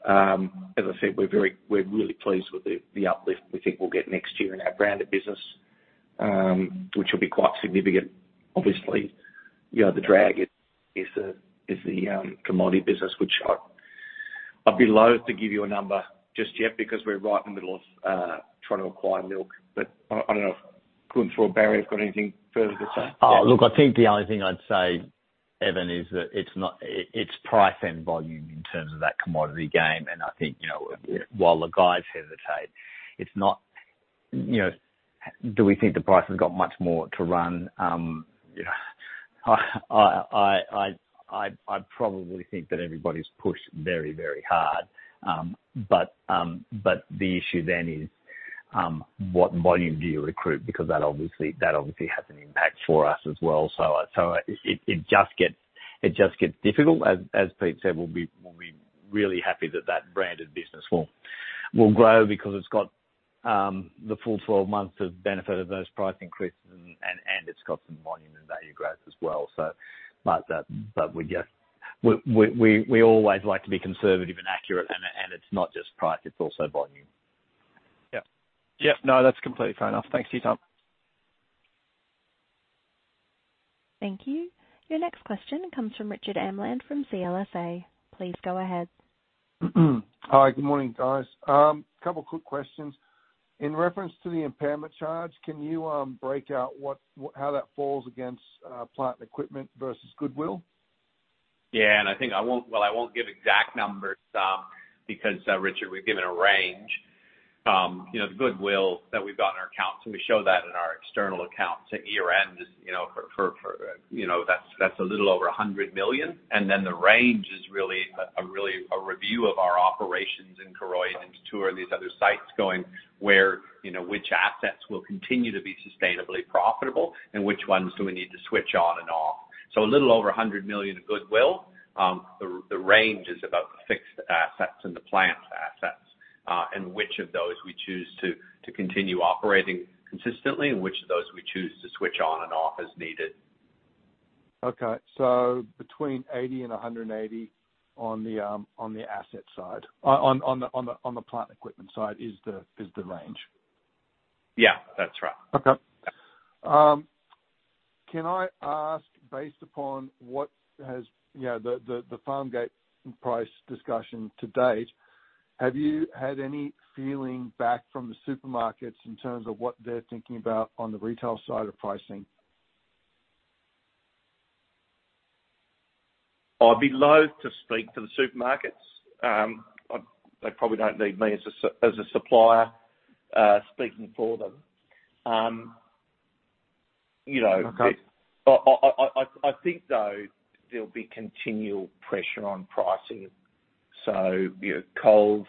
As I said, we're really pleased with the uplift we think we'll get next year in our branded business, which will be quite significant. Obviously, you know, the drag is the commodity business, which I'd be loathe to give you a number just yet because we're right in the middle of trying to acquire milk. I don't know if Colin or Barry have got anything further to say? Look, I think the only thing I'd say, Evan, is that it's price and volume in terms of that commodity game. I think, you know, while the guys hesitate, it's not, you know, do we think the price has got much more to run? You know, I probably think that everybody's pushed very, very hard. The issue then is, what volume do you recruit? That obviously has an impact for us as well. It just gets difficult. As Pete said, we'll be really happy that branded business will grow because it's got the full 12 months of benefit of those price increases and it's got some volume and value growth as well. That, we just, we always like to be conservative and accurate, and it's not just price, it's also volume. Yep. Yep. No, that's completely fair enough. Thanks for your time. Thank you. Your next question comes from Richard Amland from CLSA. Please go ahead. Hi, good morning, guys. A couple quick questions. In reference to the impairment charge, can you break out what how that falls against plant and equipment versus goodwill? Yeah, I think I won't. Well, I won't give exact numbers, because Richard, we've given a range. You know, the goodwill that we've got in our accounts, and we show that in our external accounts at year-end, is, you know, for, you know, that's a little over 100 million. The range is really a really, a review of our operations in Koroit and two of these other sites going where, you know, which assets will continue to be sustainably profitable and which ones do we need to switch on and off. So a little over 100 million of goodwill. The range is about the fixed assets and the plant assets, and which of those we choose to continue operating consistently, and which of those we choose to switch on and off as needed. Between 80 and 180 on the asset side, on the plant equipment side is the range? Yeah, that's right. Can I ask, based upon what has, you know, the farm gate price discussion to date, have you had any feeling back from the supermarkets in terms of what they're thinking about on the retail side of pricing? I'd be loathe to speak for the supermarkets. I, they probably don't need me as a supplier, speaking for them. You know. Okay. I think, though, there'll be continual pressure on pricing. You know, Coles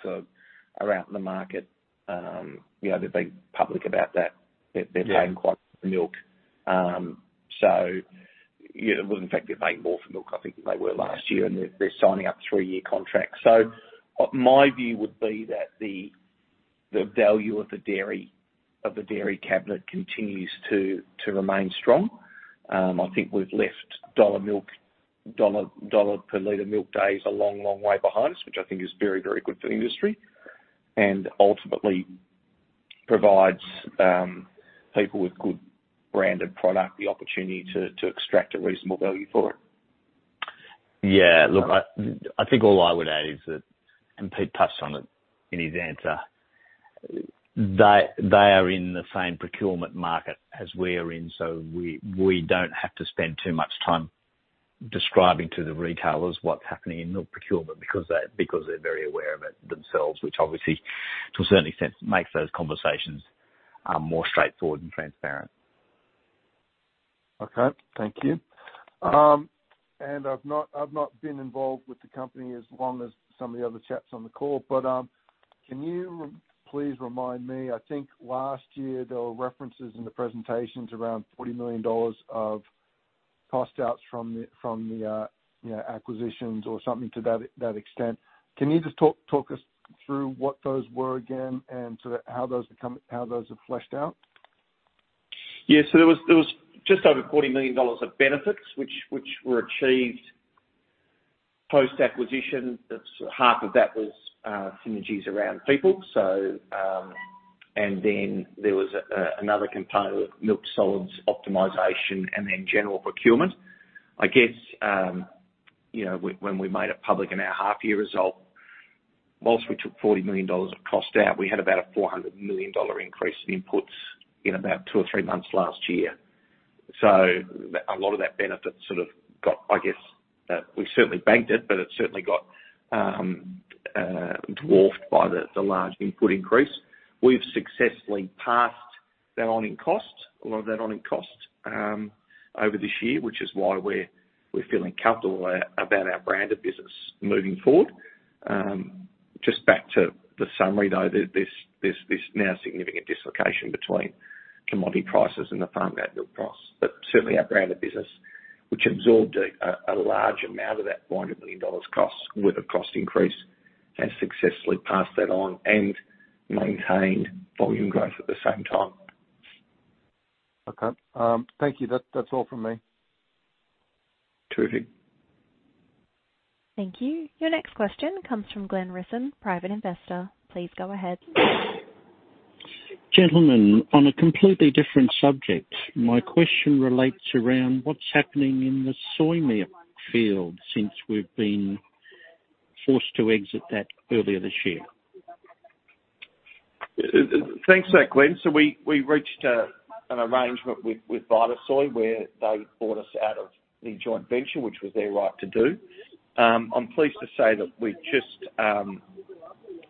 are out in the market. You know, they've been public about that. Yeah. They're paying quite for milk. So, yeah, well, in fact, they're paying more for milk, I think, than they were last year, and they're signing up three-year contracts. My view would be that the value of the dairy, of the dairy cabinet continues to remain strong. I think we've left dollar milk, dollar per liter milk days a long, long way behind us, which I think is very, very good for the industry. Ultimately provides people with good branded product, the opportunity to extract a reasonable value for it. Yeah. Look, I think all I would add is that, and Pete touched on it in his answer, they are in the same procurement market as we're in, so we don't have to spend too much time describing to the retailers what's happening in milk procurement, because they're very aware of it themselves, which obviously, to a certain extent, makes those conversations, more straightforward and transparent. Okay, thank you. I've not been involved with the company as long as some of the other chaps on the call, can you please remind me, I think last year there were references in the presentations around 40 million dollars of cost outs from the, you know, acquisitions or something to that extent. Can you just talk us through what those were again and sort of how those have fleshed out? There was just over 40 million dollars of benefits, which were achieved post-acquisition. That's, half of that was synergies around people. And then there was another component of milk solids optimization and then general procurement. I guess, you know, when we made it public in our half-year result, whilst we took 40 million dollars of cost out, we had about a 400 million dollar increase in inputs in about two or three months last year. A lot of that benefit sort of got, I guess, we certainly banked it, but it certainly got dwarfed by the large input increase. We've successfully passed that on in costs, a lot of that on in cost, over this year, which is why we're feeling comfortable about our branded business moving forward. Just back to the summary, though, there's now significant dislocation between commodity prices and the farm gate milk price. Certainly our branded business, which absorbed a large amount of that point million AUD cost with a cost increase, has successfully passed that on and maintained volume growth at the same time. Okay. Thank you. That's all from me. Terrific. Thank you. Your next question comes from Glenn Rissom, private investor. Please go ahead. Gentlemen, on a completely different subject, my question relates around what's happening in the soy milk field since we've been forced to exit that earlier this year. Thanks for that, Glenn. We reached an arrangement with Vitasoy, where they bought us out of the joint venture, which was their right to do. I'm pleased to say that we've just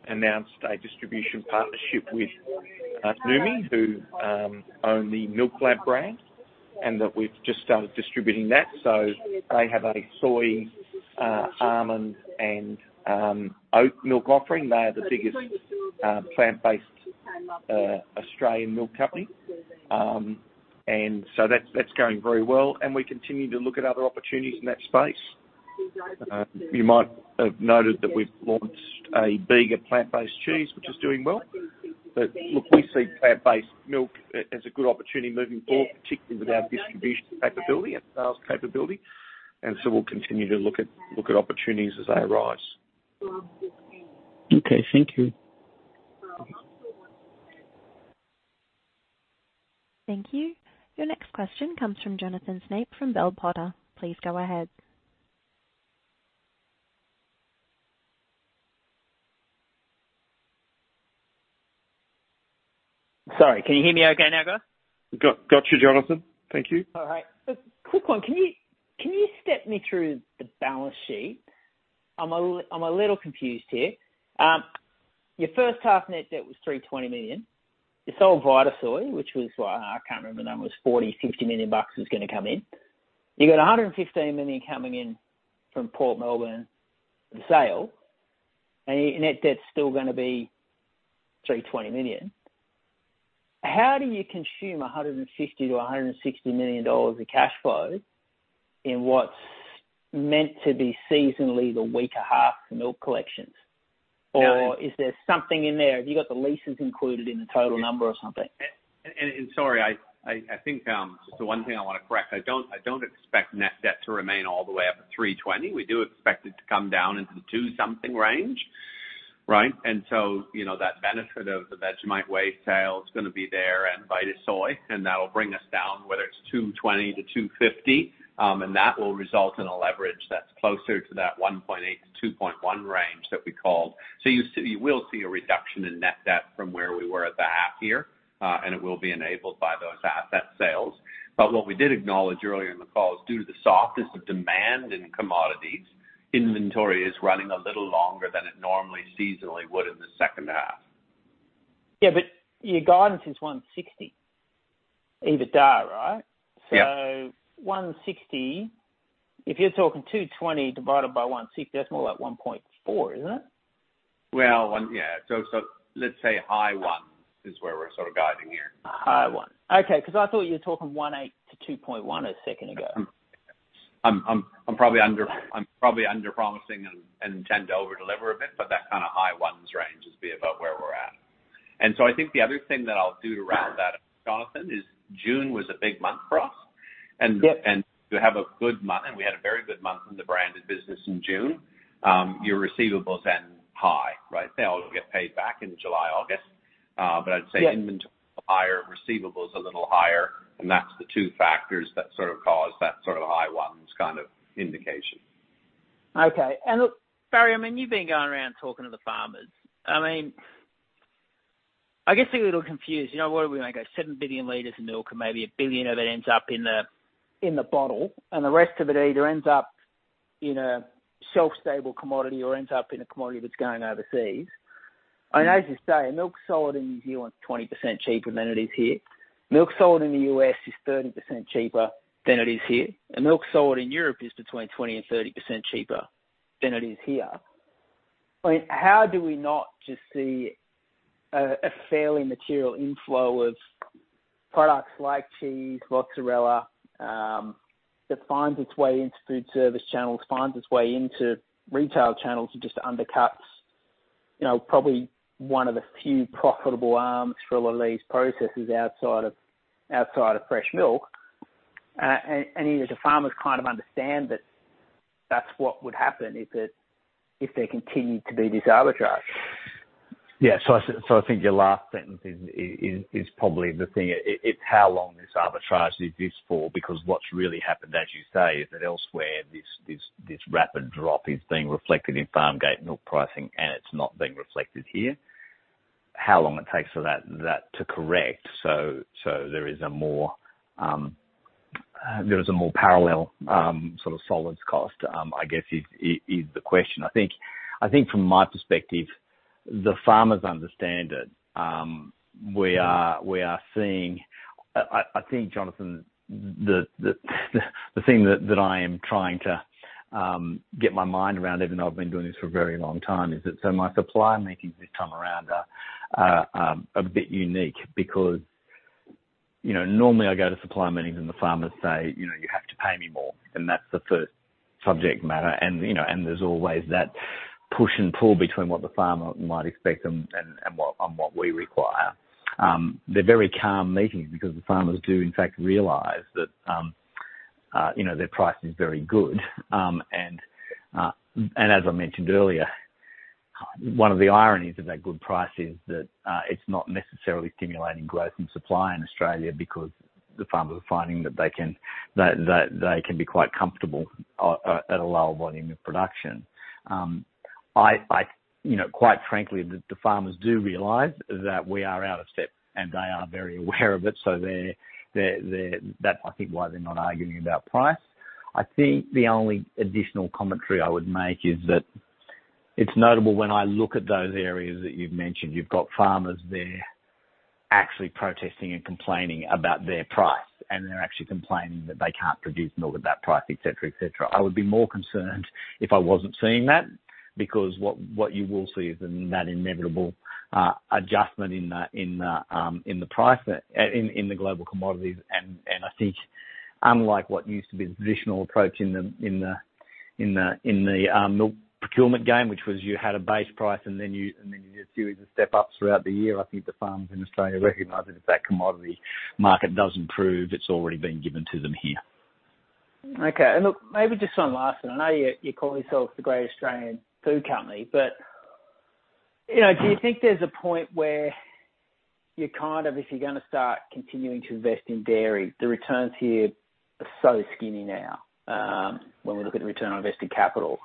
announced a distribution partnership with Noumi, who own the MILKLAB brand, and that we've just started distributing that. They have a soy, almond, and oat milk offering. They are the biggest plant-based Australian milk company. That's going very well, and we continue to look at other opportunities in that space. You might have noted that we've launched a Bega plant-based cheese, which is doing well. look, we see plant-based milk as a good opportunity moving forward, particularly with our distribution capability and sales capability, we'll continue to look at opportunities as they arise. Okay, thank you. Thank you. Your next question comes from Jonathan Snape of Bell Potter. Please go ahead. Sorry, can you hear me okay now, guys? Got you, Jonathan. Thank you. All right. A quick one. Can you step me through the balance sheet? I'm a little confused here. Your first half net debt was 320 million. You sold Vitasoy, which was what? I can't remember. The number was 40 million-50 million bucks was gonna come in. You got 115 million coming in from Port Melbourne, the sale, and your net debt's still gonna be 320 million. How do you consume 150 million-160 million dollars of cash flow in what's meant to be seasonally the weaker half milk collections? Or is there something in there? Have you got the leases included in the total number or something? Sorry, I think, just the one thing I want to correct, I don't expect net debt to remain all the way up at 320. We do expect it to come down into 200-something range, right? You know, that benefit of the Vegemite Way sale is gonna be there and Vitasoy, and that'll bring us down, whether it's 220-250, and that will result in a leverage that's closer to that 1.8-2.1 range that we called. You will see a reduction in net debt from where we were at the half year, and it will be enabled by those asset sales. What we did acknowledge earlier in the call is, due to the softness of demand in commodities, inventory is running a little longer than it normally seasonally would in the second half. Yeah, your guidance is 160, EBITDA, right? Yeah. 160, if you're talking 220 divided by 160, that's more like 1.4, isn't it? Well, one. Yeah. Let's say high one is where we're sort of guiding here. High 1. Okay, I thought you were talking 1.8 to 2.1 a second ago. I'm probably under-promising and tend to overdeliver a bit, but that kind of high ones range is be about where we're at. I think the other thing that I'll do to round that up, Jonathan, is June was a big month for us. Yep. To have a good month, and we had a very good month in the branded business in June, your receivables end high, right? They all get paid back in July, August. I'd say Yeah. inventory higher, receivables a little higher, and that's the two factors that sort of cause that sort of high ones kind of indication. Okay. Look, Barry, I mean, you've been going around talking to the farmers. I mean, I guess a little confused, you know, what are we going to go 7 billion liters of milk and maybe 1 billion of it ends up in the bottle, the rest of it either ends up in a shelf-stable commodity or ends up in a commodity that's going overseas. As you say, milk sold in New Zealand is 20% cheaper than it is here. Milk sold in the U.S. is 30% cheaper than it is here. Milk sold in Europe is between 20% and 30% cheaper than it is here. I mean, how do we not just see a fairly material inflow of products like cheese, mozzarella, that finds its way into food service channels, finds its way into retail channels, and just undercuts, you know, probably one of the few profitable arms for all these processors outside of fresh milk? The farmers kind of understand that that's what would happen if there continued to be this arbitrage. Yeah. I think your last sentence is probably the thing. It's how long this arbitrage is this for, because what's really happened, as you say, is that elsewhere, this rapid drop is being reflected in farm gate milk pricing, and it's not being reflected here. How long it takes for that to correct, so there is a more, there is a more parallel, sort of solids cost, I guess is the question. I think from my perspective, the farmers understand it. We are seeing... I think, Jonathan, the thing that I am trying to get my mind around, even though I've been doing this for a very long time, is that my supply meetings this time around are a bit unique.... you know, normally I go to supplier meetings and the farmers say, "You know, you have to pay me more," and that's the first subject matter. You know, and there's always that push and pull between what the farmer might expect and what, on what we require. They're very calm meetings because the farmers do, in fact, realize that, you know, their price is very good. As I mentioned earlier, one of the ironies of that good price is that it's not necessarily stimulating growth and supply in Australia, because the farmers are finding that they can be quite comfortable at a lower volume of production. I, you know, quite frankly, the farmers do realize that we are out of step, and they are very aware of it, so they're That's, I think, why they're not arguing about price. I think the only additional commentary I would make is that it's notable when I look at those areas that you've mentioned. You've got farmers there actually protesting and complaining about their price, and they're actually complaining that they can't produce milk at that price, et cetera. I would be more concerned if I wasn't seeing that, because what you will see is that inevitable adjustment in the price in the global commodities. I think unlike what used to be the traditional approach in the milk procurement game, which was you had a base price, and then you did a series of step ups throughout the year. I think the farmers in Australia recognize that if that commodity market doesn't improve, it's already been given to them here. Okay. Look, maybe just one last one. I know you call yourself the Great Australian Food Company, you know, do you think there's a point where you're kind of, if you're gonna start continuing to invest in dairy, the returns here are so skinny now, when we look at the return on invested capital.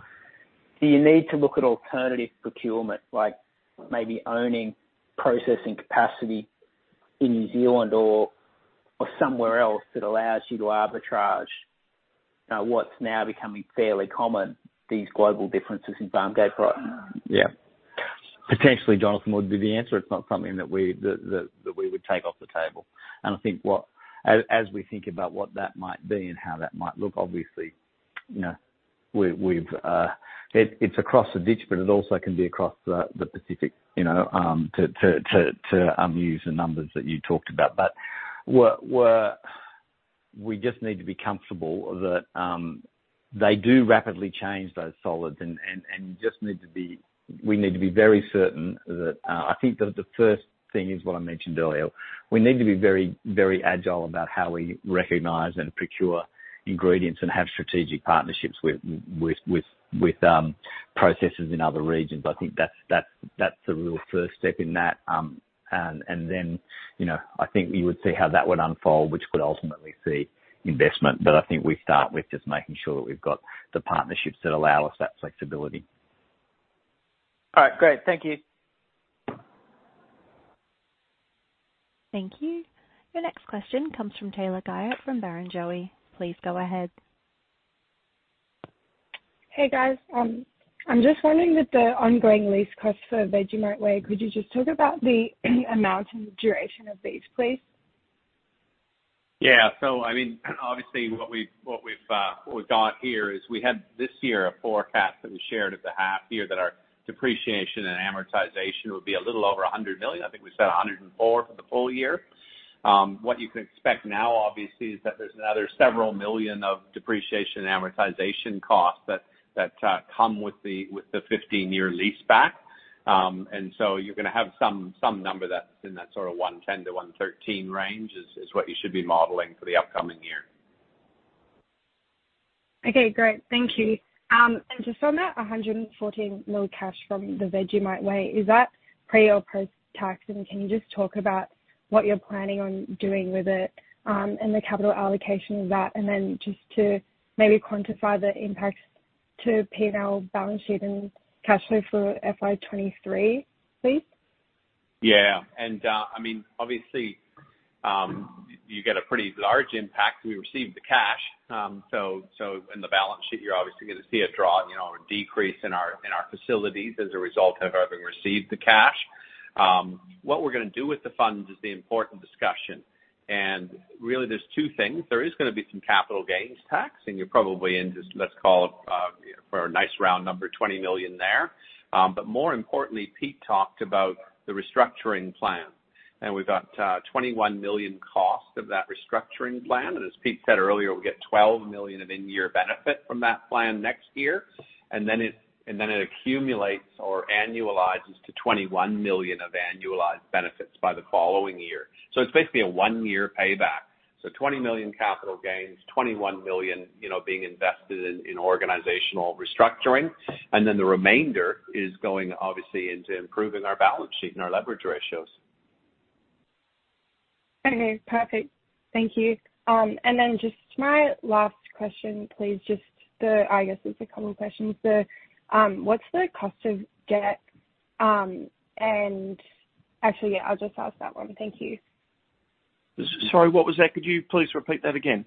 Do you need to look at alternative procurement, like maybe owning processing capacity in New Zealand or somewhere else that allows you to arbitrage what's now becoming fairly common, these global differences in farm gate price? Yeah. Potentially, Jonathan, would be the answer. It's not something that we would take off the table. I think as we think about what that might be and how that might look, obviously, you know, we've, it's across the ditch, but it also can be across the Pacific, you know, to use the numbers that you talked about. We just need to be comfortable that they do rapidly change those solids and we need to be very certain that. I think that the first thing is what I mentioned earlier. We need to be very agile about how we recognize and procure ingredients and have strategic partnerships with processors in other regions. I think that's the real first step in that. Then, you know, I think you would see how that would unfold, which could ultimately see investment. I think we start with just making sure that we've got the partnerships that allow us that flexibility. All right, great. Thank you. Thank you. Your next question comes from Taylor Guyot, from Barrenjoey. Please go ahead. Hey, guys. I'm just wondering, with the ongoing lease costs for Vegemite Way, could you just talk about the amount and the duration of these, please? Yeah. I mean, obviously, what we've got here is we had this year a forecast that we shared at the half year, that our depreciation and amortization would be a little over 100 million. I think we said 104 million for the full year. What you can expect now, obviously, is that there's another several million of depreciation and amortization costs that come with the 15-year lease back. You're gonna have some number that's in that sort of 110-113 range, is what you should be modeling for the upcoming year. Okay, great. Thank you. Just on that 114 million cash from the Vegemite Way, is that pre or post-tax? Can you just talk about what you're planning on doing with it, and the capital allocation of that, and then just to maybe quantify the impact to P&L balance sheet and cash flow for FY2023, please? Yeah. I mean, obviously, you get a pretty large impact. We received the cash, so in the balance sheet, you're obviously going to see a draw, you know, a decrease in our, in our facilities as a result of having received the cash. What we're going to do with the funds is the important discussion, really there's two things. There is going to be some capital gains tax, you're probably in just, let's call, for a nice round number, 20 million there. More importantly, Pete talked about the restructuring plan, we've got 21 million cost of that restructuring plan. As Pete said earlier, we get 12 million of in-year benefit from that plan next year, and then it accumulates or annualizes to 21 million of annualized benefits by the following year. It's basically a 1-year payback. 20 million capital gains, 21 million, you know, being invested in organizational restructuring, and then the remainder is going, obviously, into improving our balance sheet and our leverage ratios. Okay, perfect. Thank you. Just my last question, please, just the... I guess it's a couple questions. The, what's the cost of debt, and... Actually, yeah, I'll just ask that one. Thank you. Sorry, what was that? Could you please repeat that again?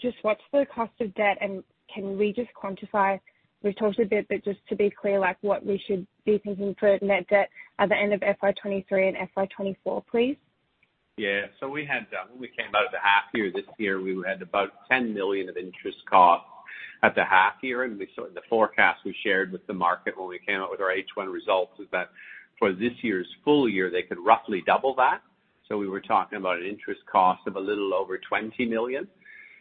Just what's the cost of debt, and can we just quantify? We've talked a bit, but just to be clear, like, what we should be thinking for net debt at the end of FY2023 and FY2024, please? Yeah. We had, when we came out of the half year this year, we had about 10 million of interest costs at the half year, and we saw the forecast we shared with the market when we came out with our H1 results, is that for this year's full year, they could roughly double that. We were talking about an interest cost of a little over 20 million.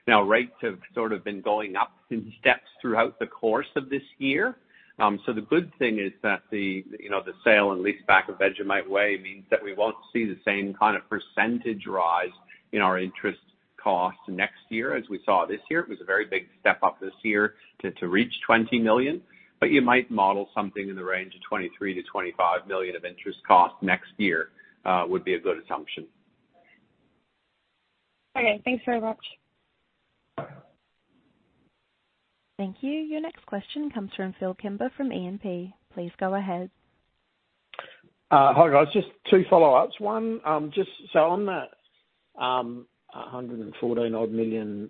Rates have sort of been going up in steps throughout the course of this year. The good thing is that the, you know, the sale and leaseback of Vegemite Way means that we won't see the same kind of percentage rise in our interest costs next year as we saw this year. It was a very big step up this year to reach 20 million. You might model something in the range of 23 million-25 million of interest costs next year, would be a good assumption. Okay, thanks very much. Thank you. Your next question comes from Phillip Kimber, from E&P. Please go ahead. Hi, guys. Just two follow-ups. One, just on the 114 odd million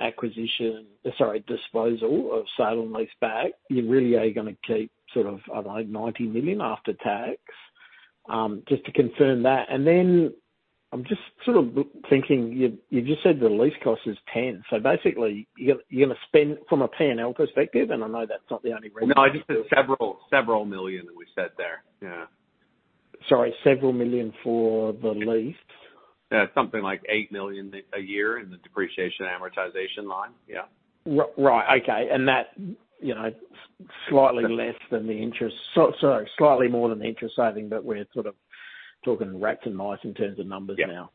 acquisition, sorry, disposal of sale and leaseback, you really are gonna keep sort of, I don't know, 90 million after tax? Just to confirm that. Then I'm just sort of thinking, you just said the lease cost is 10. Basically, you're gonna spend from a P&L perspective, and I know that's not the only reason. No, I just said AUD several million that we said there. Yeah. Sorry, AUD several million for the lease? Yeah, something like 8 million a year in the depreciation and amortization line. Yeah. Right. Okay. That, you know, slightly less than the interest. Sorry, slightly more than the interest saving, but we're sort of talking rats and mice in terms of numbers now.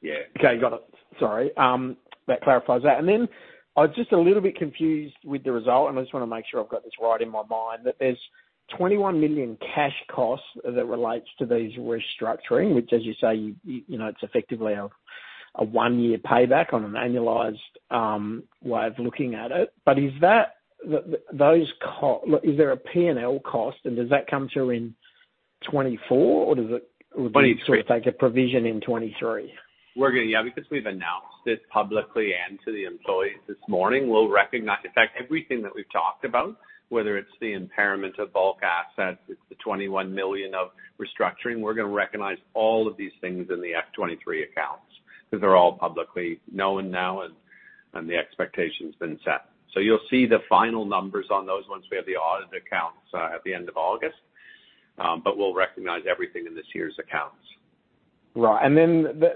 Yeah. Okay, got it. Sorry. That clarifies that. Then I'm just a little bit confused with the result, and I just wanna make sure I've got this right in my mind. That there's 21 million cash costs that relates to these restructuring, which, as you say, you know, it's effectively a one-year payback on an annualized way of looking at it. Is that, Look, is there a P&L cost, and does that come through in FY2024, or does it- Twenty-three. Take a provision in 2023? Because we've announced this publicly and to the employees this morning, we'll recognize, in fact, everything that we've talked about, whether it's the impairment of bulk assets, it's the 21 million of restructuring. We're gonna recognize all of these things in the FY2023 accounts, because they're all publicly known now, and the expectation's been set. You'll see the final numbers on those once we have the audited accounts at the end of August. We'll recognize everything in this year's accounts. Right.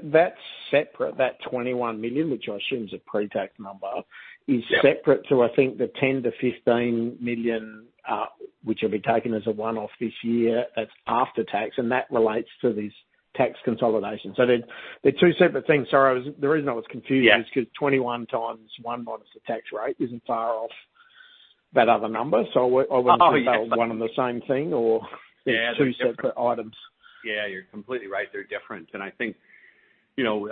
That's separate, that 21 million, which I assume is a pre-tax number- Yeah ... is separate to, I think, the 10 million-15 million, which will be taken as a one-off this year, that's after tax. That relates to these tax consolidations. They're two separate things. Sorry, the reason I was confused. Yeah... is because 21 times 1 minus the tax rate, isn't far off that other number. I wonder. Oh, yeah. one and the same thing, or two separate items. Yeah, you're completely right. They're different. I think, you know,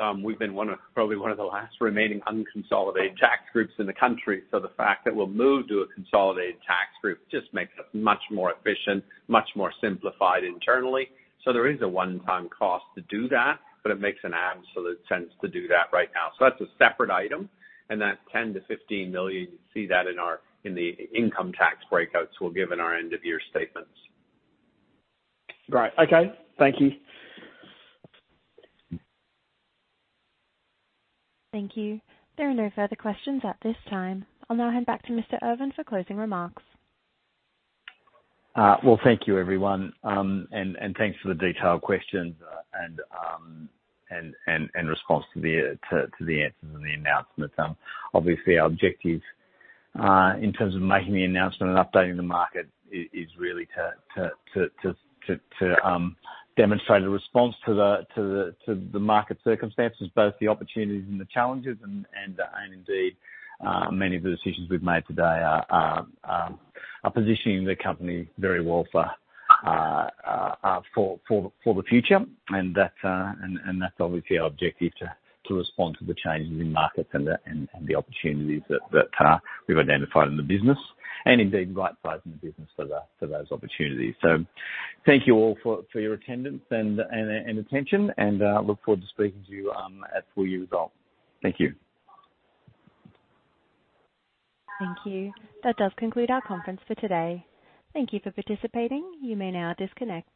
probably one of the last remaining unconsolidated tax groups in the country. The fact that we'll move to a consolidated tax group just makes us much more efficient, much more simplified internally. There is a one-time cost to do that, but it makes an absolute sense to do that right now. That's a separate item, and that 10 million-15 million, you see that in our, in the income tax breakouts we'll give in our end-of-year statements. Right. Okay. Thank you. Thank you. There are no further questions at this time. I'll now hand back to Mr. Irvin for closing remarks. Well, thank you, everyone. Thanks for the detailed questions, and response to the answers and the announcements. Obviously, our objective in terms of making the announcement and updating the market is really to demonstrate a response to the market circumstances, both the opportunities and the challenges, and indeed, many of the decisions we've made today are positioning the company very well for the future. That's obviously our objective, to respond to the changes in markets and the opportunities that we've identified in the business, and indeed, right-sizing the business for those opportunities. Thank you all for your attendance and attention, and look forward to speaking to you at full year results. Thank you. Thank you. That does conclude our conference for today. Thank you for participating. You may now disconnect.